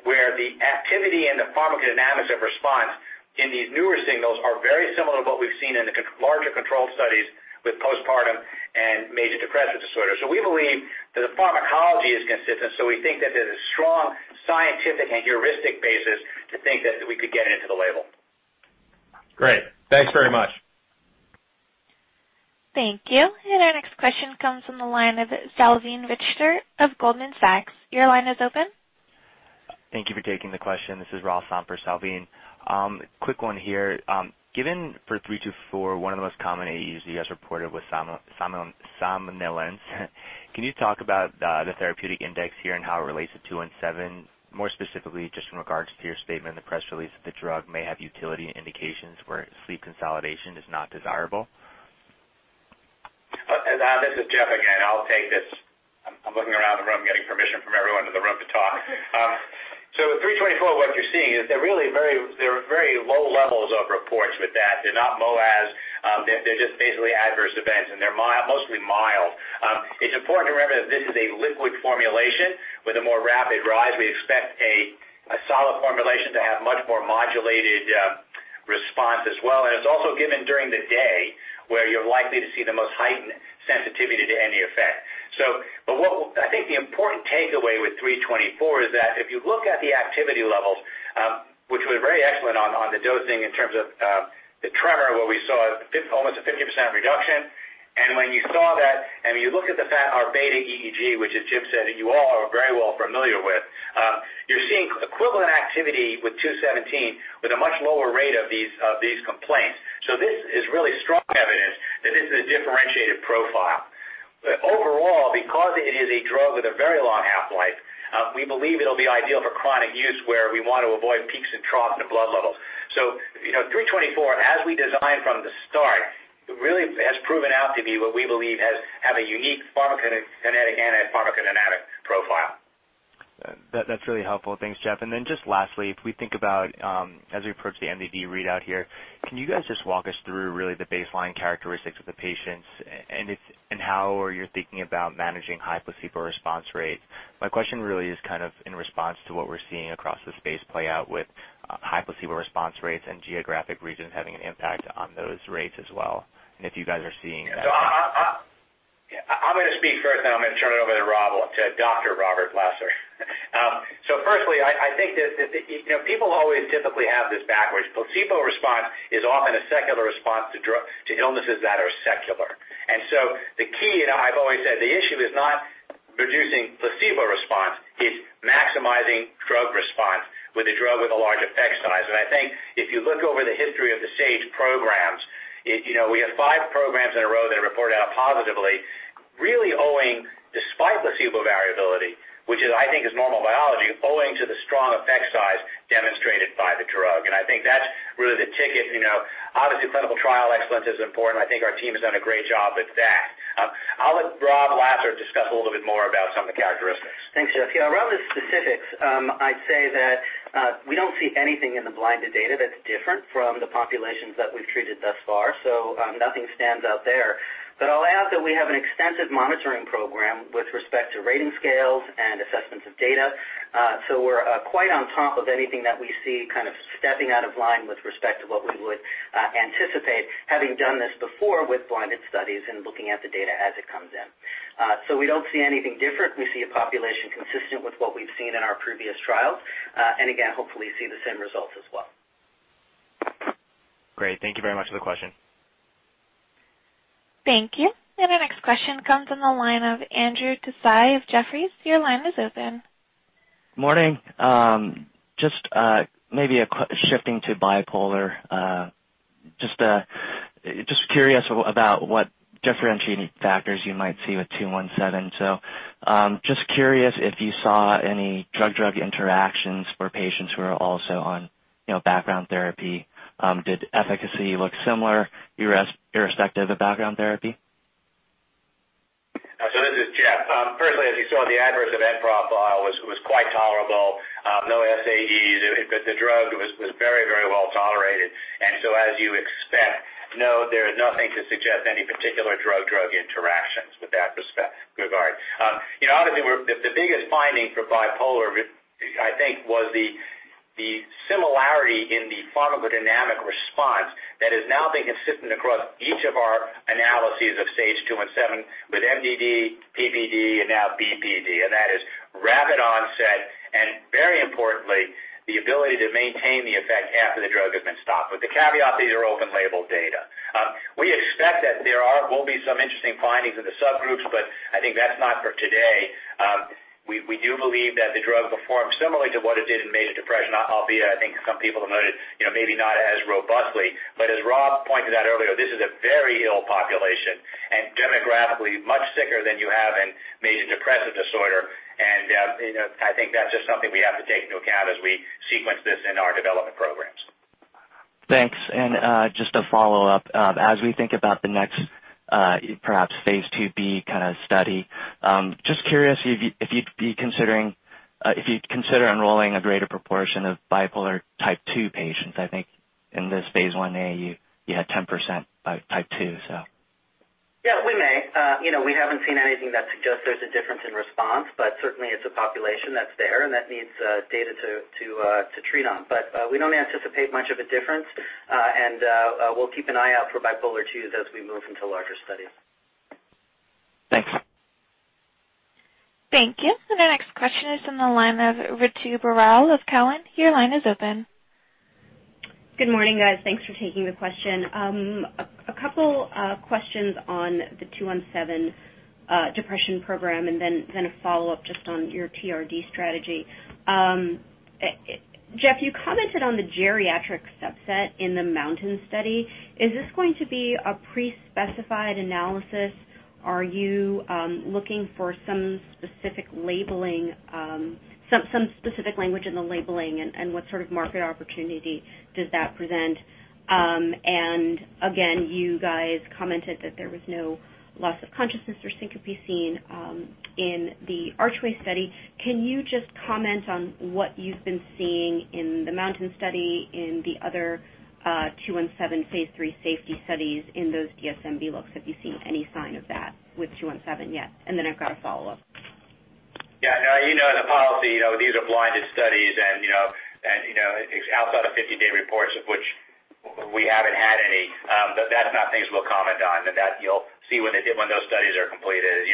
where the activity and the pharmacodynamics of response in these newer signals are very similar to what we've seen in the larger controlled studies with postpartum and major depressive disorder. We believe that the pharmacology is consistent. We think that there's a strong scientific and heuristic basis to think that we could get it into the label. Great. Thanks very much. Thank you. Our next question comes from the line of Salveen Richter of Goldman Sachs. Your line is open. Thank you for taking the question. This is Ross on for Salveen. Quick one here. Given for 324, one of the most common AEs you guys reported was somnolence. Can you talk about the therapeutic index here and how it relates to 217? Specifically, just in regards to your statement in the press release that the drug may have utility and indications where sleep consolidation is not desirable. This is Jeff again. I'll take this. I'm looking around the room getting permission from everyone in the room to talk. With SAGE-324, what you're seeing is they're very low levels of reports with that. They're not MoAs. They're just basically adverse events, and they're mostly mild. It's important to remember that this is a liquid formulation with a more rapid rise. We expect a solid formulation to have much more modulated response as well. It's also given during the day where you're likely to see the most heightened sensitivity to any effect. I think the important takeaway with SAGE-324 is that if you look at the activity levels, which was very excellent on the dosing in terms of the tremor, where we saw almost a 50% reduction. When you saw that, when you look at the fact our beta EEG, which as Jim said, you all are very well familiar with, you're seeing equivalent activity with 217 with a much lower rate of these complaints. This is really strong evidence that this is a differentiated profile. Overall, because it is a drug with a very long half-life, we believe it'll be ideal for chronic use where we want to avoid peaks and troughs in the blood levels. 324, as we designed from the start, really has proven out to be what we believe has a unique pharmacokinetic and pharmacodynamic profile. That's really helpful. Thanks, Jeff. Then just lastly, if we think about as we approach the MDD readout here, can you guys just walk us through really the baseline characteristics of the patients and how you're thinking about managing high placebo response rate? My question really is kind of in response to what we're seeing across the space play out with high placebo response rates and geographic regions having an impact on those rates as well. If you guys are seeing that. I'm going to speak first, then I'm going to turn it over to Robert, to Dr. Robert Lasser. Firstly, I think that people always typically have this backwards. Placebo response is often a secular response to illnesses that are secular. The key, and I've always said the issue is not reducing placebo response. It's maximizing drug response with a drug with a large effect size. I think if you look over the history of the Sage programs, we have five programs in a row that are reported out positively, really owing despite placebo variability, which I think is normal biology, owing to the strong effect size demonstrated by the drug. I think that's really the ticket. Obviously, clinical trial excellence is important. I think our team has done a great job with that. I'll let Rob Lasser discuss a little bit more about some of the characteristics. Thanks, Jeff. Around the specifics, I'd say that we don't see anything in the blinded data that's different from the populations that we've treated thus far. Nothing stands out there. I'll add that we have an extensive monitoring program with respect to rating scales and assessments of data. We're quite on top of anything that we see kind of stepping out of line with respect to what we would anticipate, having done this before with blinded studies and looking at the data as it comes in. We don't see anything different. We see a population consistent with what we've seen in our previous trials. Again, hopefully see the same results as well. Great. Thank you very much for the question. Thank you. Our next question comes on the line of Andrew Tsai of Jefferies. Your line is open. Morning. Just maybe shifting to bipolar. Just curious about what differentiating factors you might see with 217. Just curious if you saw any drug-drug interactions for patients who are also on background therapy. Did efficacy look similar irrespective of background therapy? This is Jeff. Firstly, as you saw the adverse event profile was quite tolerable. No SAEs. The drug was very well tolerated. As you expect, no, there is nothing to suggest any particular drug-drug interactions with that regard. Obviously, the biggest finding for bipolar, I think, was the similarity in the pharmacodynamic response that has now been consistent across each of our analyses of SAGE-217 with MDD, PPD, and now BPD. That is rapid onset, and very importantly, the ability to maintain the effect after the drug has been stopped. With the caveat, these are open label data. We expect that there will be some interesting findings in the subgroups, but I think that's not for today. We do believe that the drug performs similarly to what it did in major depression, albeit I think some people have noted, maybe not as robustly. As Rob pointed out earlier, this is a very ill population and demographically much sicker than you have in major depressive disorder. I think that's just something we have to take into account as we sequence this in our development programs. Thanks. Just a follow-up. As we think about the next perhaps phase II-B kind of study, just curious if you'd consider enrolling a greater proportion of bipolar type 2 patients. I think in this phase I-A, you had 10% type 2. Yeah, we may. We haven't seen anything that suggests there's a difference in response, certainly it's a population that's there and that needs data to treat on. We don't anticipate much of a difference. We'll keep an eye out for bipolar II as we move into larger studies. Thanks. Thank you. Our next question is on the line of Ritu Baral of Cowen. Your line is open. Good morning, guys. Thanks for taking the question. A couple questions on the 217 depression program, then a follow-up just on your TRD strategy. Jeff, you commented on the geriatric subset in the MOUNTAIN study. Is this going to be a pre-specified analysis? Are you looking for some specific language in the labeling, what sort of market opportunity does that present? Again, you guys commented that there was no loss of consciousness or syncope seen in the ARCHWAY study. Can you just comment on what you've been seeing in the MOUNTAIN study in the other 217 phase III safety studies in those DSMB looks? Have you seen any sign of that with 217 yet? Then I've got a follow-up. Yeah. You know the policy, these are blinded studies and it's outside of 50-day reports of which we haven't had any. That's not things we'll comment on. You'll see when those studies are completed.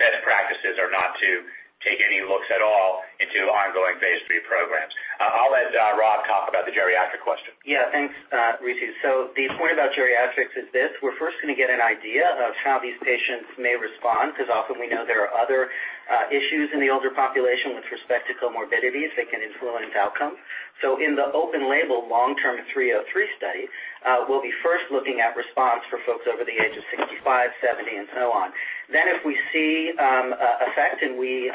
Best practices are not to take any looks at all into ongoing phase III programs. I'll let Rob talk about the geriatric question. Yeah, thanks, Ritu. The point about geriatrics is this, we're first going to get an idea of how these patients may respond, because often we know there are other issues in the older population with respect to comorbidities that can influence outcome. In the open label long-term 303 study, we'll be first looking at response for folks over the age of 65, 70, and so on. If we see effect and we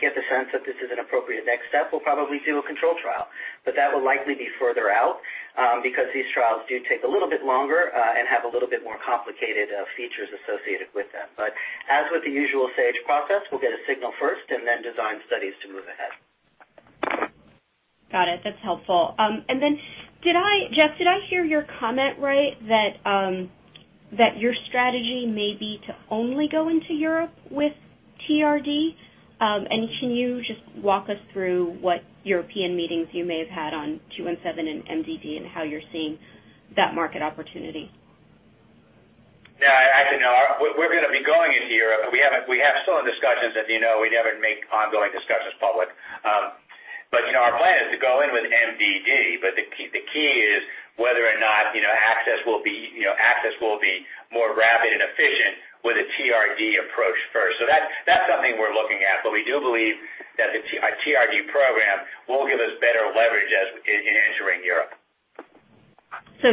get the sense that this is an appropriate next step, we'll probably do a control trial. That will likely be further out, because these trials do take a little bit longer and have a little bit more complicated features associated with them. As with the usual Sage process, we'll get a signal first and then design studies to move ahead. Got it. That's helpful. Then, Jeff, did I hear your comment right that your strategy may be to only go into Europe with TRD? Can you just walk us through what European meetings you may have had on 217 and MDD and how you're seeing that market opportunity? Yeah. Actually, no. We're going to be going into Europe. We have still in discussions, as you know, we never make ongoing discussions public. Our plan is to go in with MDD, but the key is whether or not access will be more rapid and efficient with a TRD approach first. That's something we're looking at, but we do believe that a TRD program will give us better leverage as we begin entering Europe.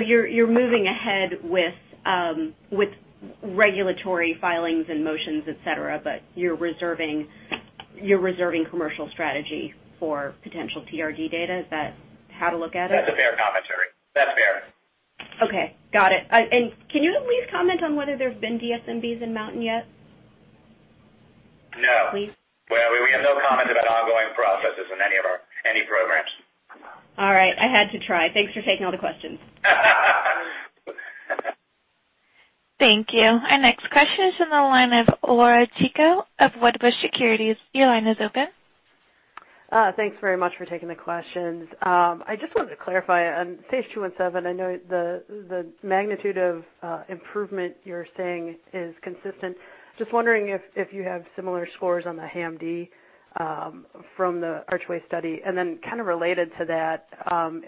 You're moving ahead with regulatory filings and motions, et cetera, but you're reserving commercial strategy for potential TRD data. Is that how to look at it? That's a fair commentary. That's fair. Okay. Got it. Can you at least comment on whether there's been DSMBs in MOUNTAIN yet? No. Please. Well, we have no comment about ongoing processes in any programs. All right. I had to try. Thanks for taking all the questions. Thank you. Our next question is on the line of Laura Chico of Wedbush Securities. Your line is open. Thanks very much for taking the questions. I just wanted to clarify on phase II SAGE-217, I know the magnitude of improvement you're saying is consistent. Just wondering if you have similar scores on the HAM-D from the ARCHWAY study. Kind of related to that,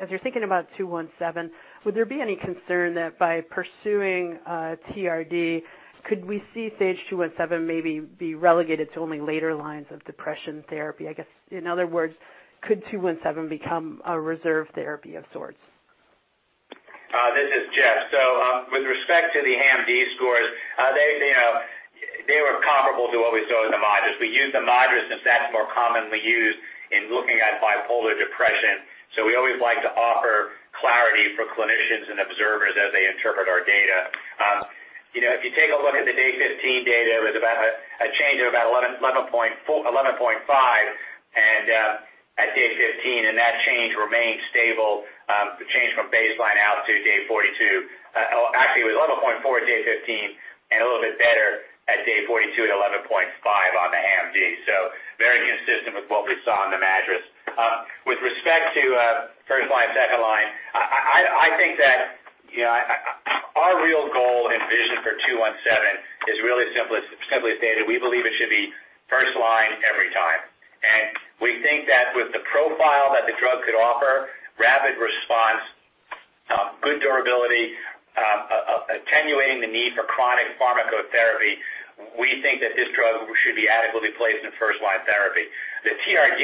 as you're thinking about SAGE-217, would there be any concern that by pursuing TRD, could we see phase II SAGE-217 maybe be relegated to only later lines of depression therapy? I guess, in other words, could SAGE-217 become a reserve therapy of sorts? This is Jeff. With respect to the HAM-D scores, they were comparable to what we saw in the MADRS. We use the MADRS since that's more commonly used in looking at bipolar depression. We always like to offer clarity for clinicians and observers as they interpret our data. If you take a look at the day 15 data, it was about a change of about 11.5 at day 15, and that change remained stable. The change from baseline out to day 42, actually, it was 11.4 at day 15 and a little bit better at day 42 at 11.5 on the HAM-D. Very consistent with what we saw on the MADRS. With respect to first line, second line, I think that our real goal and vision for 217 is really simply stated, we believe it should be first line every time. We think that with the profile that the drug could offer, rapid response, good durability, attenuating the need for chronic pharmacotherapy, we think that this drug should be adequately placed in first-line therapy. The TRD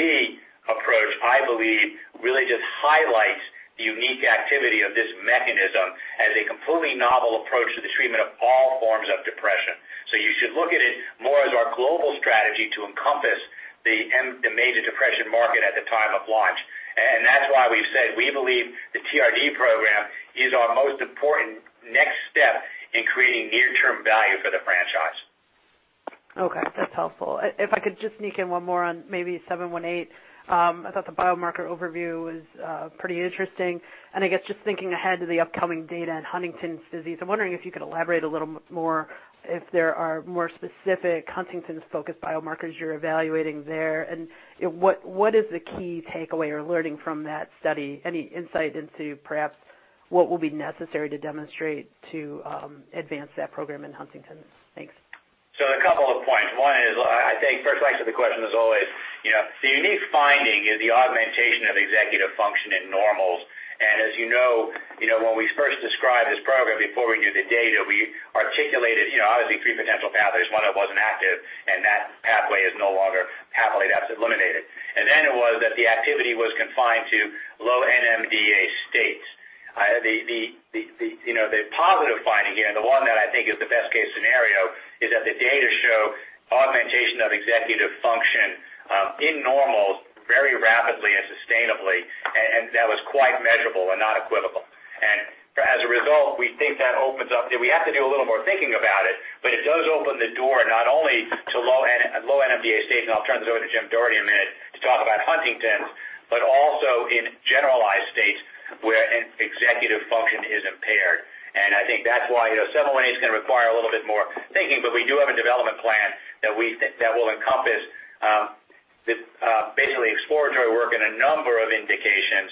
approach, I believe, really just highlights the unique activity of this mechanism as a completely novel approach to the treatment of all forms of depression. You should look at it more as our global strategy to encompass the major depression market at the time of launch. That's why we've said we believe the TRD program is our most important next step in creating near-term value for the franchise. Okay, that's helpful. If I could just sneak in one more on maybe 718. I thought the biomarker overview was pretty interesting. I guess just thinking ahead to the upcoming data in Huntington's disease, I'm wondering if you could elaborate a little more, if there are more specific Huntington's-focused biomarkers you're evaluating there. What is the key takeaway or learning from that study? Any insight into perhaps what will be necessary to demonstrate to advance that program in Huntington's? Thanks. A couple of points. One is, I think first answer to the question is always, the unique finding is the augmentation of executive function in normals. As you know, when we first described this program before we knew the data, we articulated, obviously three potential pathways. One of them wasn't active, and that pathway is no longer pathway, that's eliminated. Then it was that the activity was confined to low NMDA states. The positive finding here, and the one that I think is the best case scenario is that the data show augmentation of executive function in normals very rapidly and sustainably, and that was quite measurable and not equivocal. As a result, we have to do a little more thinking about it, but it does open the door not only to low NMDA states, I'll turn this over to Jim Doherty in a minute to talk about Huntington's, but also in generalized states where an executive function is impaired. I think that's why SAGE-718 is going to require a little bit more thinking, but we do have a development plan that will encompass exploratory work in a number of indications,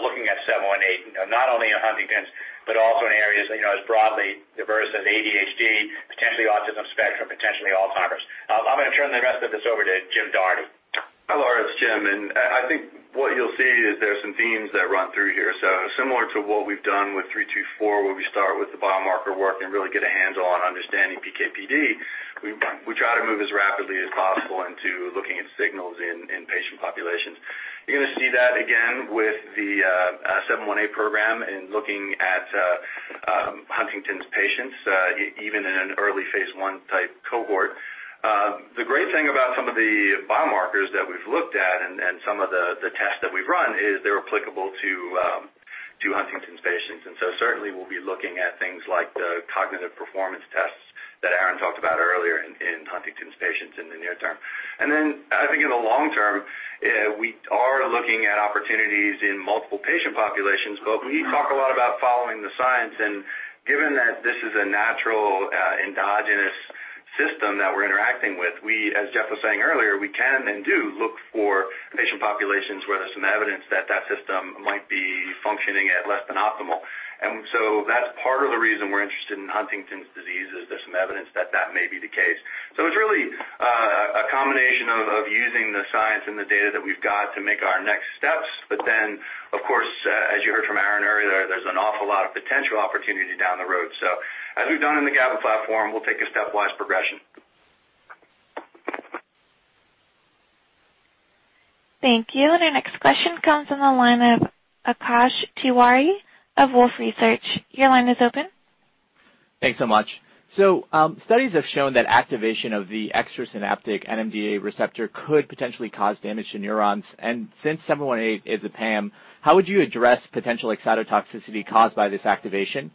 looking at SAGE-718, not only in Huntington's, but also in areas as broadly diverse as ADHD, potentially autism spectrum, potentially Alzheimer's. I'm going to turn the rest of this over to Jim Doherty. Hi, Laura. It's Jim. I think what you'll see is there's some themes that run through here. Similar to what we've done with 324, where we start with the biomarker work and really get a hands-on understanding PK/PD, we try to move as rapidly as possible into looking at signals in patient populations. You're going to see that again with the 718 program in looking at Huntington's patients, even in an early phase I type cohort. The great thing about some of the biomarkers that we've looked at and some of the tests that we've run is they're applicable to Huntington's patients, certainly we'll be looking at things like the cognitive performance tests that Aaron talked about earlier in Huntington's patients in the near term. I think in the long term, we are looking at opportunities in multiple patient populations. We talk a lot about following the science, and given that this is a natural endogenous system that we're interacting with, we, as Jeff was saying earlier, we can and do look for patient populations where there's some evidence that system might be functioning at less than optimal. That's part of the reason we're interested in Huntington's disease, is there's some evidence that may be the case. Of course, as you heard from Aaron earlier, there's an awful lot of potential opportunity down the road. As we've done in the GABA platform, we'll take a stepwise progression. Thank you. Our next question comes from the line of Akash Tewari of Wolfe Research. Your line is open. Thanks so much. Studies have shown that activation of the extrasynaptic NMDA receptor could potentially cause damage to neurons. Since 718 is a PAM, how would you address potential excitotoxicity caused by this activation?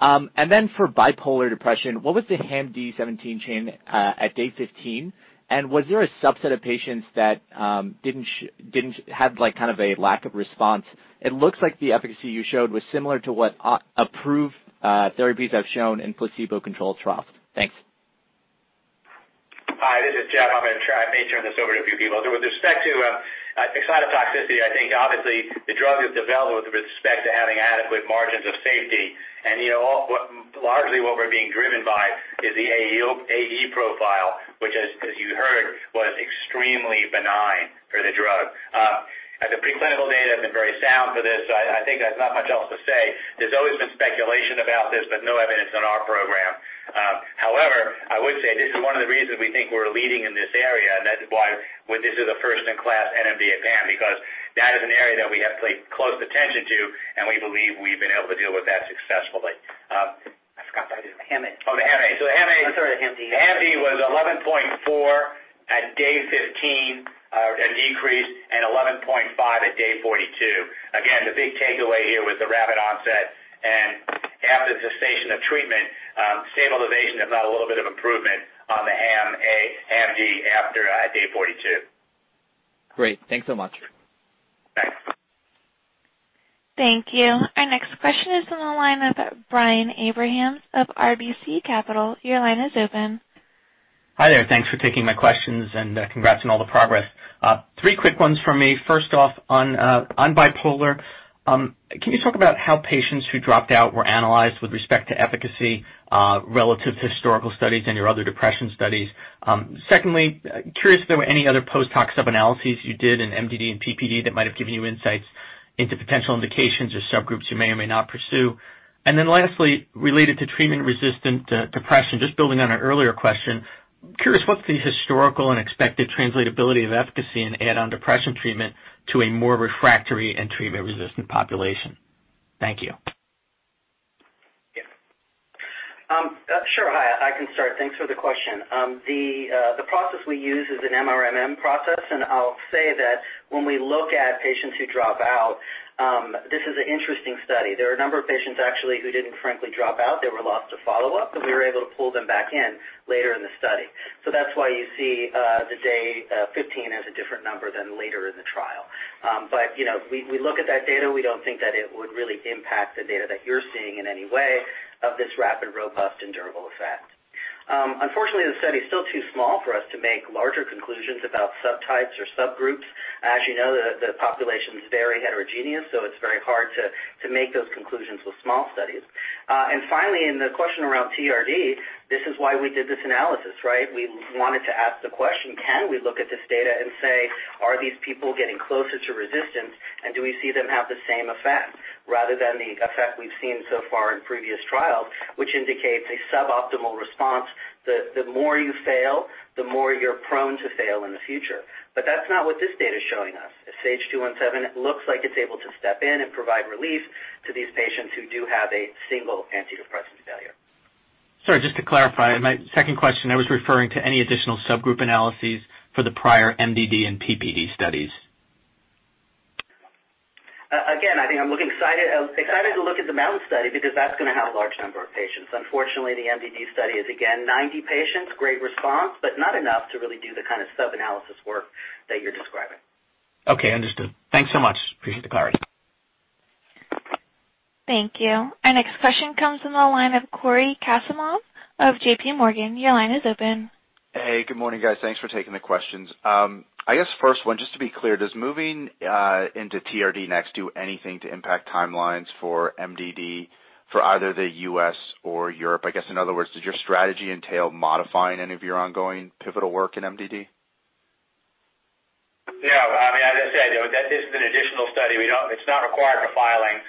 For bipolar depression, what was the HAM-D17 change at day 15, and was there a subset of patients that had a lack of response? It looks like the efficacy you showed was similar to what approved therapies have shown in placebo-controlled trials. Thanks. Hi, this is Jeff. I may turn this over to a few people. With respect to excitotoxicity, I think obviously the drug is developed with respect to having adequate margins of safety, and largely what we're being driven by is the AE profile, which as you heard, was extremely benign for the drug. The preclinical data has been very sound for this, I think there's not much else to say. There's always been speculation about this, no evidence on our program. I would say this is one of the reasons we think we're leading in this area, and that's why this is a first-in-class NMDA PAM, because that is an area that we have paid close attention to, and we believe we've been able to deal with that successfully. I forgot, by the way. HAM-T. Oh, the HAM-A. I'm sorry, the HAM-D. The HAM-D was 11.4 at day 15, a decrease, and 11.5 at day 42. The big takeaway here was the rapid onset and after the cessation of treatment, stabilization, if not a little bit of improvement on the HAM-D after day 42. Great. Thanks so much. Thank you. Our next question is on the line of Brian Abrahams of RBC Capital. Your line is open. Hi there. Thanks for taking my questions and congrats on all the progress. Three quick ones from me. First off, on bipolar, can you talk about how patients who dropped out were analyzed with respect to efficacy relative to historical studies and your other depression studies? Secondly, curious if there were any other post-hoc sub-analyses you did in MDD and PPD that might have given you insights into potential indications or subgroups you may or may not pursue. Lastly, related to treatment-resistant depression, just building on an earlier question, I'm curious what's the historical and expected translatability of efficacy in add-on depression treatment to a more refractory and treatment-resistant population? Thank you. Sure. I can start. Thanks for the question. The process we use is an MMRM process. I'll say that when we look at patients who drop out, this is an interesting study. There are a number of patients actually who didn't frankly drop out. They were lost to follow-up. We were able to pull them back in later in the study. That's why you see the day 15 has a different number than later in the trial. We look at that data. We don't think that it would really impact the data that you're seeing in any way of this rapid, robust, and durable effect. Unfortunately, the study is still too small for us to make larger conclusions about subtypes or subgroups. As you know, the population is very heterogeneous. It's very hard to make those conclusions with small studies. Finally, in the question around TRD, this is why we did this analysis, right? We wanted to ask the question, can we look at this data and say, are these people getting closer to resistance, and do we see them have the same effect rather than the effect we've seen so far in previous trials, which indicates a suboptimal response, that the more you fail, the more you're prone to fail in the future. That's not what this data's showing us. SAGE-217 looks like it's able to step in and provide relief to these patients who do have a single antidepressant failure. Sorry, just to clarify my second question, I was referring to any additional subgroup analyses for the prior MDD and PPD studies. I think I'm excited to look at the MOUNTAIN study because that's going to have a large number of patients. Unfortunately, the MDD study is again 90 patients, great response, but not enough to really do the kind of sub-analysis work that you're describing. Okay, understood. Thanks so much. Appreciate the clarity. Thank you. Our next question comes from the line of Cory Kasimov of JPMorgan. Your line is open. Hey, good morning, guys. Thanks for taking the questions. I guess first one, just to be clear, does moving into TRD next do anything to impact timelines for MDD for either the U.S. or Europe? I guess in other words, does your strategy entail modifying any of your ongoing pivotal work in MDD? As I said, this is an additional study. It's not required for filing.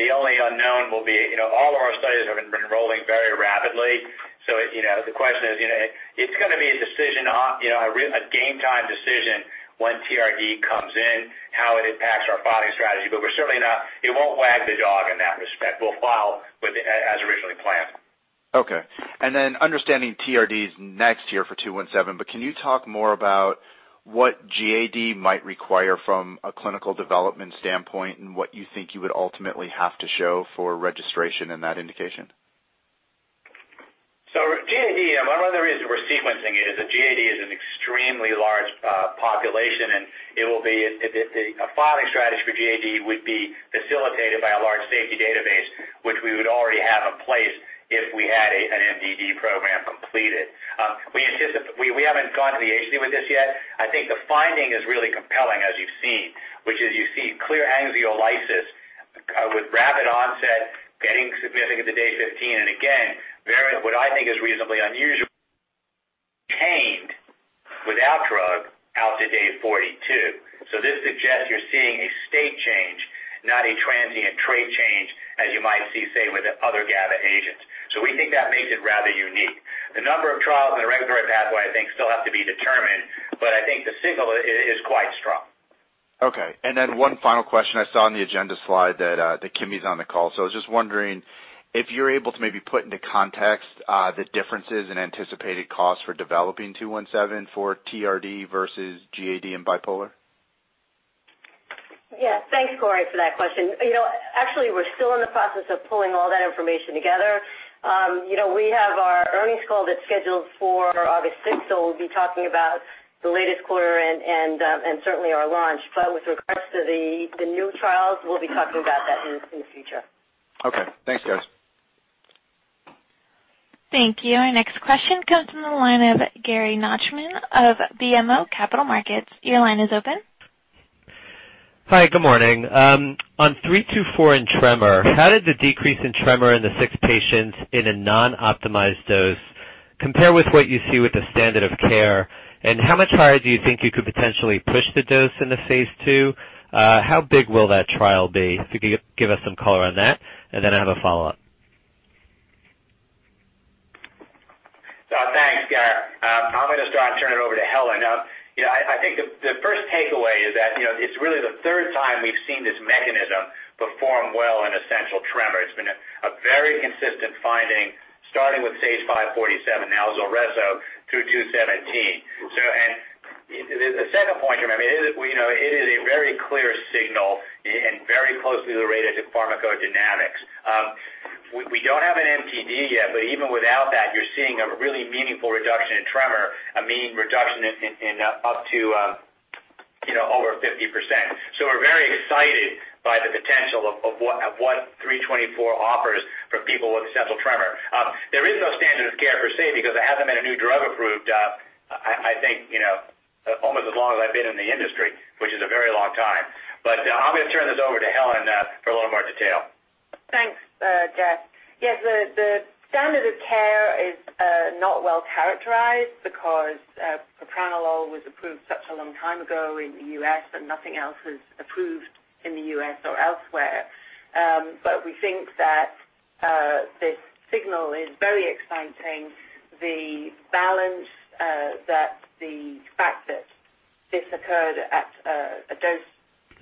The only unknown will be, all of our studies have been enrolling very rapidly. The question is, it's going to be a game time decision once TRD comes in, how it impacts our filing strategy. It won't wag the dog in that respect. We'll file as originally planned. Okay. Understanding TRD's next year for 217, but can you talk more about what GAD might require from a clinical development standpoint, and what you think you would ultimately have to show for registration in that indication? GAD, one of the reasons we're sequencing it is that GAD is an extremely large population, and a filing strategy for GAD would be facilitated by a large safety database, which we would already have in place if we had an MDD program completed. We haven't gone to the agency with this yet. I think the finding is really compelling, as you've seen, which is you see clear anxiolysis with rapid onset getting significant to day 15. Again, what I think is reasonably unusual contained without drug out to day 42. This suggests you're seeing a state change, not a transient trait change as you might see, say, with other GABA agents. We think that makes it rather unique. The number of trials and the regulatory pathway, I think, still have to be determined, but I think the signal is quite strong. Okay. One final question. I saw on the agenda slide that Kimi's on the call. I was just wondering if you're able to maybe put into context the differences in anticipated costs for developing SAGE-217 for TRD versus GAD and bipolar. Thanks, Cory, for that question. We're still in the process of pulling all that information together. We have our earnings call that's scheduled for August 6th. We'll be talking about the latest quarter and certainly our launch. With regards to the new trials, we'll be talking about that in the future. Okay. Thanks, guys. Thank you. Our next question comes from the line of Gary Nachman of BMO Capital Markets. Your line is open. Hi, good morning. On 324 in tremor, how did the decrease in tremor in the six patients in a non-optimized dose compare with what you see with the standard-of-care? How much higher do you think you could potentially push the dose in the phase II? How big will that trial be? If you could give us some color on that. I have a follow-up. Thanks, Gary. I'm going to start and turn it over to Helen. I think the first takeaway is that it's really the third time we've seen this mechanism perform well in essential tremor. It's been a very consistent finding, starting with SAGE-547, now ZULRESSO, through 217. The second point here, it is a very clear signal and very closely related to pharmacodynamics. We don't have an MDD yet, even without that, you're seeing a really meaningful reduction in tremor, a mean reduction in up to over 50%. We're very excited by the potential of what 324 offers for people with essential tremor. There is no standard of care per se, because there hasn't been a new drug approved, I think, almost as long as I've been in the industry, which is a very long time. I'm going to turn this over to Helen for a little more detail. Thanks, Jeff. Yes, the standard of care is not well characterized because propranolol was approved such a long time ago in the U.S. and nothing else was approved in the U.S. or elsewhere. We think that this signal is very exciting. The balance that the fact that this occurred at a dose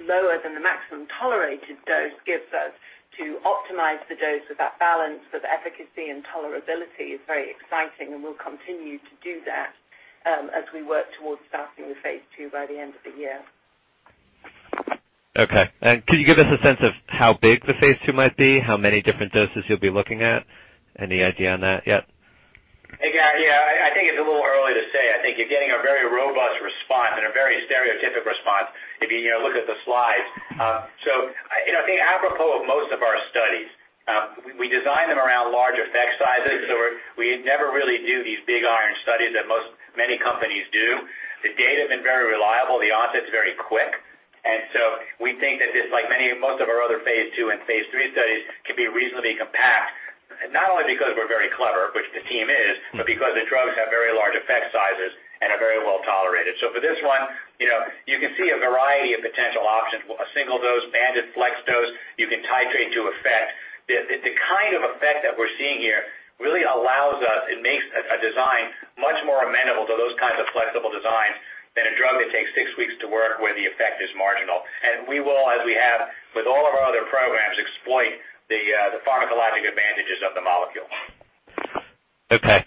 lower than the maximum tolerated dose gives us to optimize the dose with that balance for the efficacy and tolerability is very exciting, and we'll continue to do that as we work towards starting the phase II by the end of the year. Okay. Could you give us a sense of how big the phase II might be, how many different doses you'll be looking at? Any idea on that yet? Hey, Gary. I think it's a little early to say. I think you're getting a very robust response and a very stereotypic response if you look at the slides. I think apropos of most of our studies, we design them around large effect sizes. We never really do these big iron studies that many companies do. The data have been very reliable, the onset's very quick. We think that this, like most of our other phase II and phase III studies, could be reasonably compact, not only because we're very clever, which the team is, but because the drugs have very large effect sizes and are very well tolerated. For this one, you can see a variety of potential options. A single dose, banded flex dose, you can titrate to effect. The kind of effect that we're seeing here really allows us, it makes a design much more amenable to those kinds of flexible designs than a drug that takes six weeks to work where the effect is marginal. We will, as we have with all of our other programs, exploit the pharmacologic advantages of the molecule. Okay.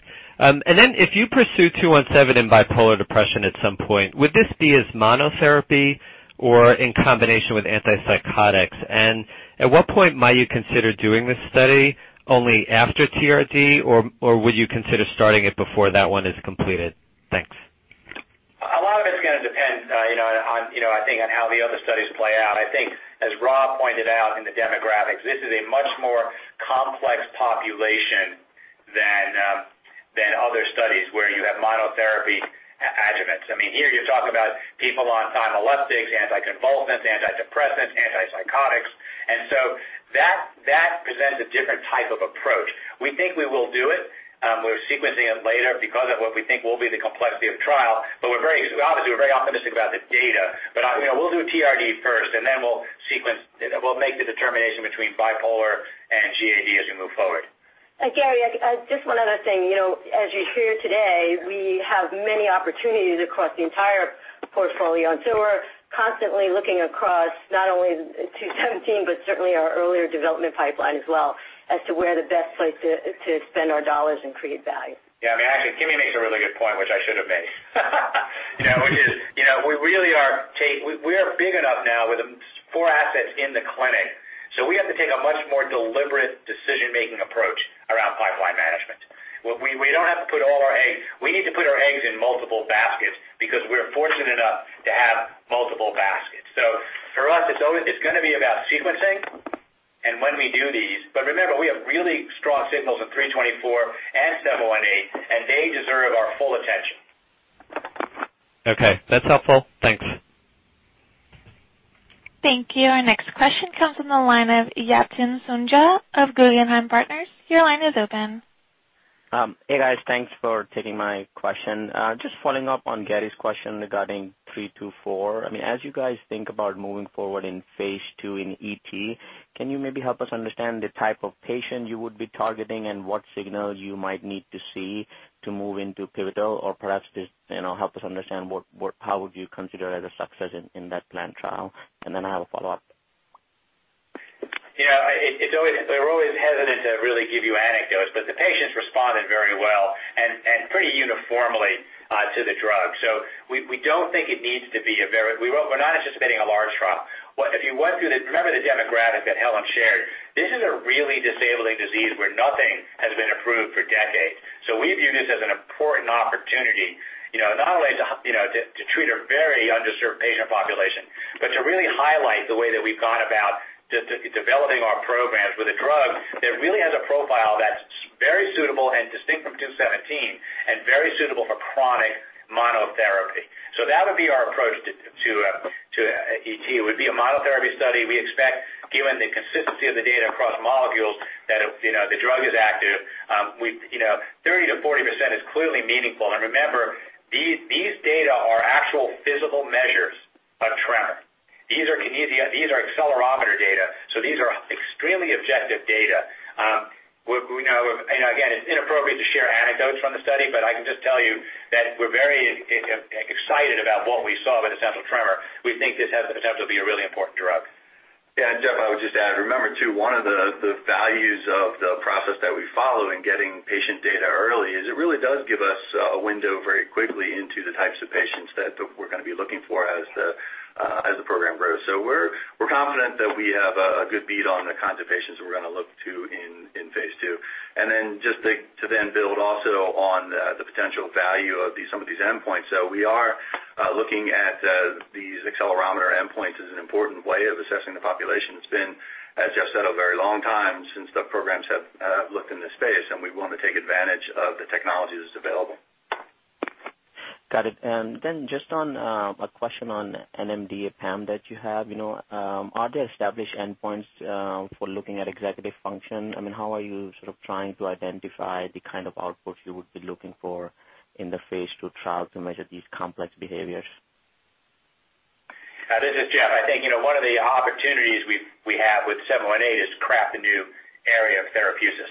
Then if you pursue SAGE-217 in bipolar depression at some point, would this be as monotherapy or in combination with antipsychotics? At what point might you consider doing this study, only after TRD or would you consider starting it before that one is completed? Thanks. I think on how the other studies play out. I think as Rob pointed out in the demographics, this is a much more complex population than other studies where you have monotherapy adjuvants. Here you're talking about people on thymoleptics, anticonvulsants, antidepressants, antipsychotics, and so that presents a different type of approach. We think we will do it. We're sequencing it later because of what we think will be the complexity of trial, but we obviously are very optimistic about the data. We'll do TRD first, and then we'll make the determination between bipolar and GAD as we move forward. Gary, just one other thing. As you hear today, we have many opportunities across the entire portfolio. We're constantly looking across not only 217, but certainly our earlier development pipeline as well as to where the best place to spend our dollars and create value. Yeah. Actually, Kimi makes a really good point, which I should have made. We are big enough now with four assets in the clinic. We have to take a much more deliberate decision-making approach around pipeline management. We need to put our eggs in multiple baskets because we're fortunate enough to have multiple baskets. For us, it's going to be about sequencing and when we do these. Remember, we have really strong signals of 324 and 718, and they deserve our full attention. Okay. That's helpful. Thanks. Thank you. Our next question comes from the line of Yatin Suneja of Guggenheim Partners. Your line is open. Hey, guys. Thanks for taking my question. Just following up on Gary's question regarding 324. As you guys think about moving forward in phase II in ET, can you maybe help us understand the type of patient you would be targeting and what signals you might need to see to move into pivotal or perhaps just help us understand how would you consider it a success in that planned trial? I have a follow-up. We're always hesitant to really give you anecdotes, but the patients responded very well and pretty uniformly to the drug. We're not anticipating a large trial. Remember the demographic that Helen shared. This is a really disabling disease where nothing has been approved for decades. We view this as an important opportunity, not only to treat a very underserved patient population, but to really highlight the way that we've gone about developing our programs with a drug that really has a profile that's very suitable and distinct from 217 and very suitable for chronic monotherapy. That would be our approach to ET. It would be a monotherapy study. We expect, given the consistency of the data across molecules, that the drug is active. 30%-40% is clearly meaningful. Remember, these data are actual physical measures of tremor. These are accelerometer data. These are extremely objective data. Again, it's inappropriate to share anecdotes from the study, but I can just tell you that we're very excited about what we saw with essential tremor. We think this has the potential to be a really important drug. Yeah, Jeff, I would just add, remember too, one of the values of the process that we follow in getting patient data early is it really does give us a window very quickly into the types of patients that we're going to be looking for as the program grows. We're confident that we have a good bead on the kinds of patients that we're going to look to in phase II. Just to then build also on the potential value of some of these endpoints. We are looking at these accelerometer endpoints as an important way of assessing the population. It's been, as Jeff said, a very long time since the programs have looked in this space, and we want to take advantage of the technology that's available. Got it. Just a question on NMDA PAM that you have. Are there established endpoints for looking at executive function? How are you sort of trying to identify the kind of outputs you would be looking for in the phase II trial to measure these complex behaviors? This is Jeff. I think one of the opportunities we have with SAGE-718 is to craft a new area of therapeutics.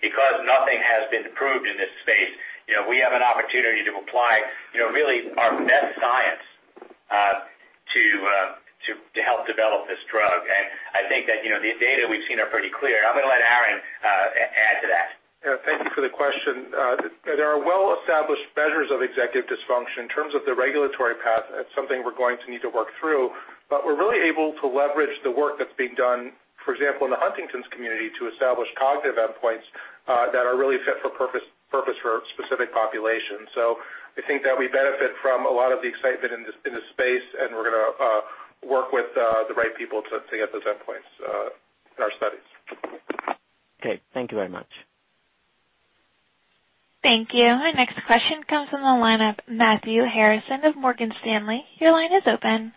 Because nothing has been approved in this space, we have an opportunity to apply really our best science to help develop this drug. I think that the data we've seen are pretty clear. I'm going to let Aaron add to that. Thank you for the question. There are well-established measures of executive dysfunction in terms of the regulatory path. That's something we're going to need to work through, but we're really able to leverage the work that's being done, for example, in the Huntington's community, to establish cognitive endpoints that are really fit for purpose for a specific population. I think that we benefit from a lot of the excitement in this space, and we're going to work with the right people to see those endpoints in our studies. Okay. Thank you very much. Thank you. Our next question comes from the line of Matthew Harrison of Morgan Stanley. Your line is open.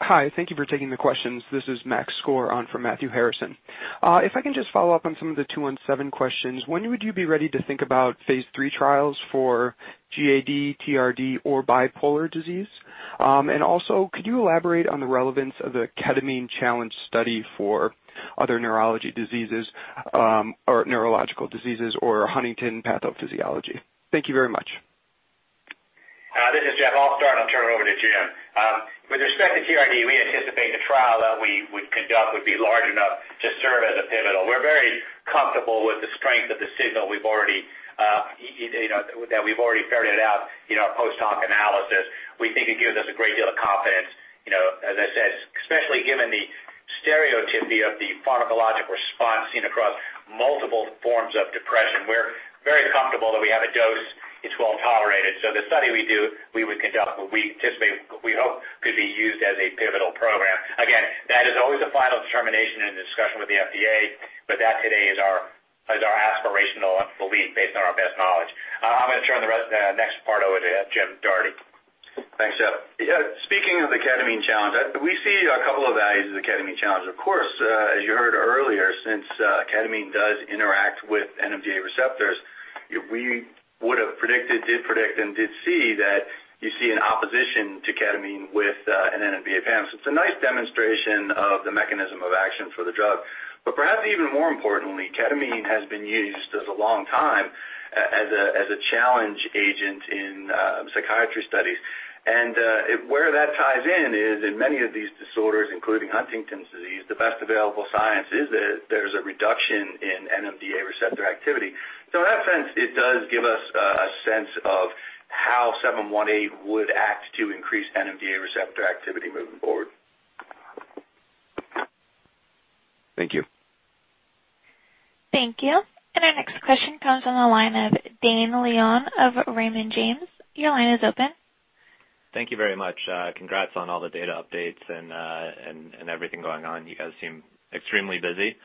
Hi. Thank you for taking the questions. This is Max Skor on for Matthew Harrison. If I can just follow up on some of the 217 questions. When would you be ready to think about phase III trials for GAD, TRD, or bipolar disease? Also, could you elaborate on the relevance of the ketamine challenge study for other neurology diseases, or neurological diseases, or Huntington's pathophysiology? Thank you very much. This is Jeff. I'll start and I'll turn it over to Jim. With respect to TRD, we anticipate the trial that we would conduct would be large enough to serve as a pivotal. We're very comfortable with the strength of the signal that we've already ferreted out in our post-hoc analysis. We think it gives us a great deal of confidence. As I said, especially given the stereotypy of the pharmacologic response seen across multiple forms of depression. We're very comfortable that we have a dose. It's well-tolerated. The study we would conduct, we hope could be used as a pivotal program. That is always a final determination in a discussion with the FDA, but that today is our aspirational belief based on our best knowledge. I'm going to turn the next part over to Jim Doherty. Thanks, Jeff. Speaking of the ketamine challenge, we see a couple of values of the ketamine challenge. As you heard earlier, since ketamine does interact with NMDA receptors, we would have predicted, did predict, and did see that you see an opposition to ketamine with an NMDA. It's a nice demonstration of the mechanism of action for the drug. Perhaps even more importantly, ketamine has been used as a long time as a challenge agent in psychiatry studies. Where that ties in is, in many of these disorders, including Huntington's disease, the best available science is that there's a reduction in NMDA receptor activity. In that sense, it does give us a sense of how 718 would act to increase NMDA receptor activity moving forward. Thank you. Thank you. Our next question comes on the line of Dane Leone of Raymond James. Your line is open. Thank you very much. Congrats on all the data updates and everything going on. You guys seem extremely busy.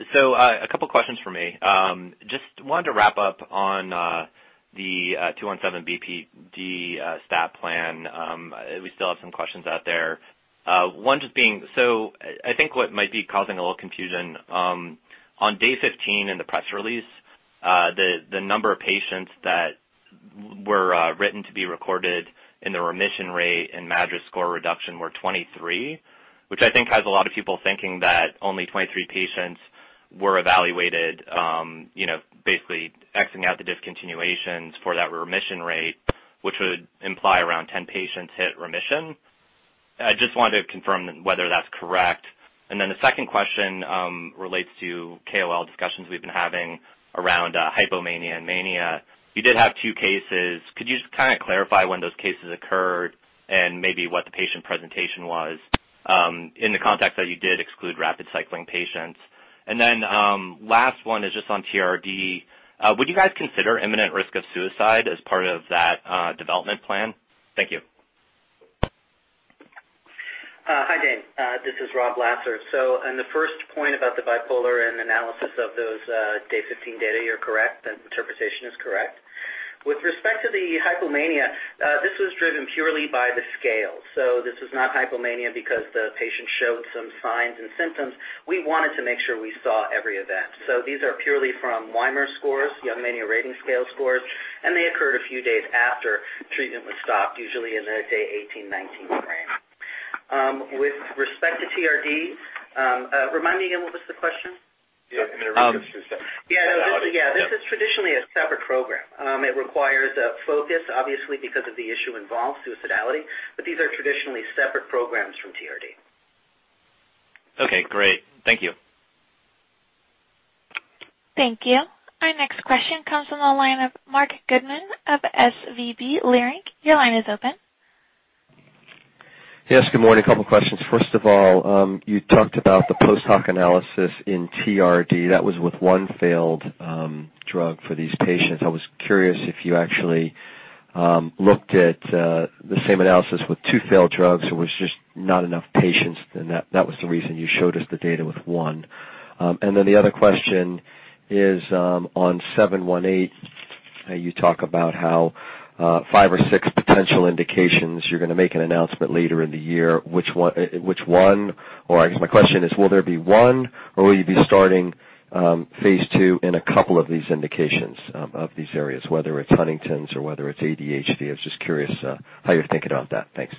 A couple of questions for me. Just wanted to wrap up on the 217 BPD stat plan. We still have some questions out there. One just being, I think what might be causing a little confusion, on day 15 in the press release, the number of patients that were written to be recorded in the remission rate and MADRS score reduction were 23, which I think has a lot of people thinking that only 23 patients were evaluated, basically X-ing out the discontinuations for that remission rate, which would imply around 10 patients hit remission. I just wanted to confirm whether that's correct. The second question relates to KOL discussions we've been having around hypomania and mania. You did have two cases. Could you just clarify when those cases occurred and maybe what the patient presentation was in the context that you did exclude rapid cycling patients? Last one is just on TRD. Would you guys consider imminent risk of suicide as part of that development plan? Thank you. Hi, Dane. This is Rob Lasser. On the first point about the bipolar and analysis of those day 15 data, you're correct, that interpretation is correct. With respect to the hypomania, this was driven purely by the scale. This is not hypomania because the patient showed some signs and symptoms. We wanted to make sure we saw every event. These are purely from YMRS scores, Young Mania Rating Scale scores, and they occurred a few days after treatment was stopped, usually in the day 18, 19 frame. With respect to TRD, remind me again, what was the question? Yeah, imminent risk of suicide. Yeah. This is traditionally a separate program. It requires a focus, obviously, because of the issue involved, suicidality, but these are traditionally separate programs from TRD. Okay, great. Thank you. Thank you. Our next question comes on the line of Marc Goodman of SVB Leerink. Your line is open. Yes, good morning. A couple of questions. First of all, you talked about the post hoc analysis in TRD. That was with one failed drug for these patients. I was curious if you actually looked at the same analysis with two failed drugs or was just not enough patients and that was the reason you showed us the data with one. The other question is on SAGE-718. You talk about how five or six potential indications, you're going to make an announcement later in the year. I guess my question is, will there be one or will you be starting phase II in a couple of these indications of these areas, whether it's Huntington's or whether it's ADHD? I was just curious how you're thinking about that. Thanks.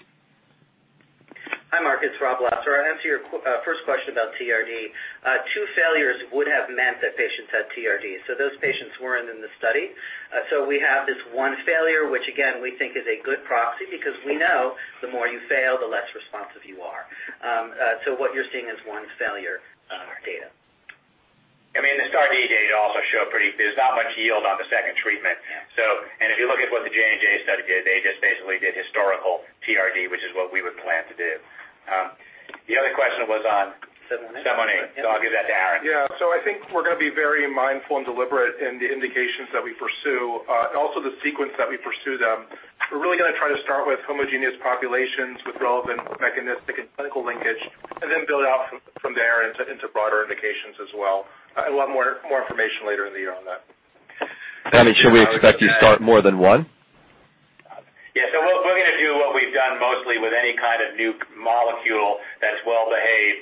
Hi, Marc, it's Rob Lasser. I'll answer your first question about TRD. Two failures would have meant that patients had TRD. Those patients weren't in the study. We have this one failure, which again, we think is a good proxy because we know the more you fail, the less responsive you are. What you're seeing is one failure data. I mean, the STAR*D data also show pretty there's not much yield on the second treatment. Yeah. If you look at what the J&J study did, they just basically did historical TRD, which is what we would plan to do. The other question was 718. I'll give that to Aaron. Yeah. I think we're going to be very mindful and deliberate in the indications that we pursue, also the sequence that we pursue them. We're really going to try to start with homogeneous populations with relevant mechanistic and clinical linkage, and then build out from there into broader indications as well. A lot more information later in the year on that. I mean, should we expect you to start more than one? Yeah. We're going to do what we've done mostly with any kind of new molecule that's well behaved.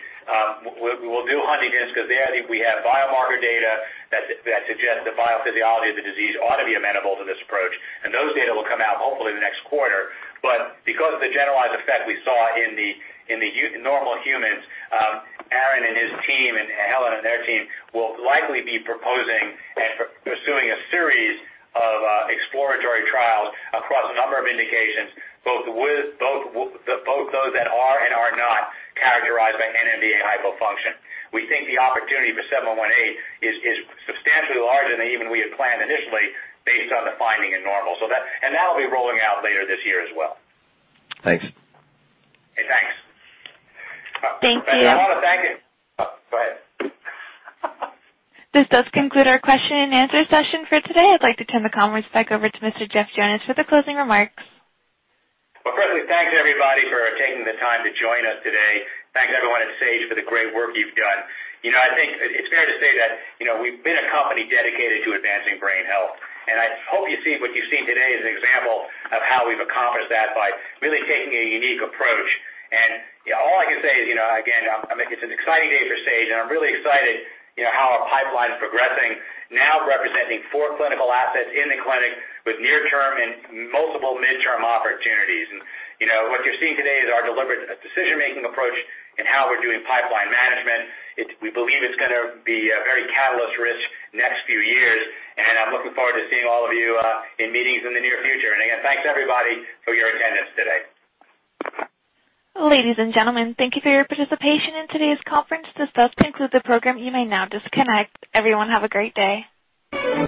We'll do Huntington's because there I think we have biomarker data that suggests the biophysiology of the disease ought to be amenable to this approach. Those data will come out hopefully in the next quarter. Because of the generalized effect we saw in the normal humans, Aaron and his team and Helen and their team will likely be proposing and pursuing a series of exploratory trials across a number of indications, both those that are and are not characterized by NMDA hypofunction. We think the opportunity for SAGE-718 is substantially larger than even we had planned initially based on the finding in normal. That'll be rolling out later this year as well. Thanks. Okay, thanks. Thank you. This does conclude our question and answer session for today. I'd like to turn the conference back over to Mr. Jeff Jonas for the closing remarks. Well, firstly, thanks everybody for taking the time to join us today. Thanks everyone at Sage for the great work you've done. I think it's fair to say that we've been a company dedicated to advancing brain health, and I hope you see what you've seen today as an example of how we've accomplished that by really taking a unique approach. All I can say is, again, it's an exciting day for Sage, and I'm really excited how our pipeline is progressing, now representing four clinical assets in the clinic with near-term and multiple mid-term opportunities. What you're seeing today is our deliberate decision-making approach in how we're doing pipeline management. We believe it's going to be a very catalyst-rich next few years, and I'm looking forward to seeing all of you in meetings in the near future. Again, thanks everybody for your attendance today. Ladies and gentlemen, thank you for your participation in today's conference. This does conclude the program. You may now disconnect. Everyone, have a great day.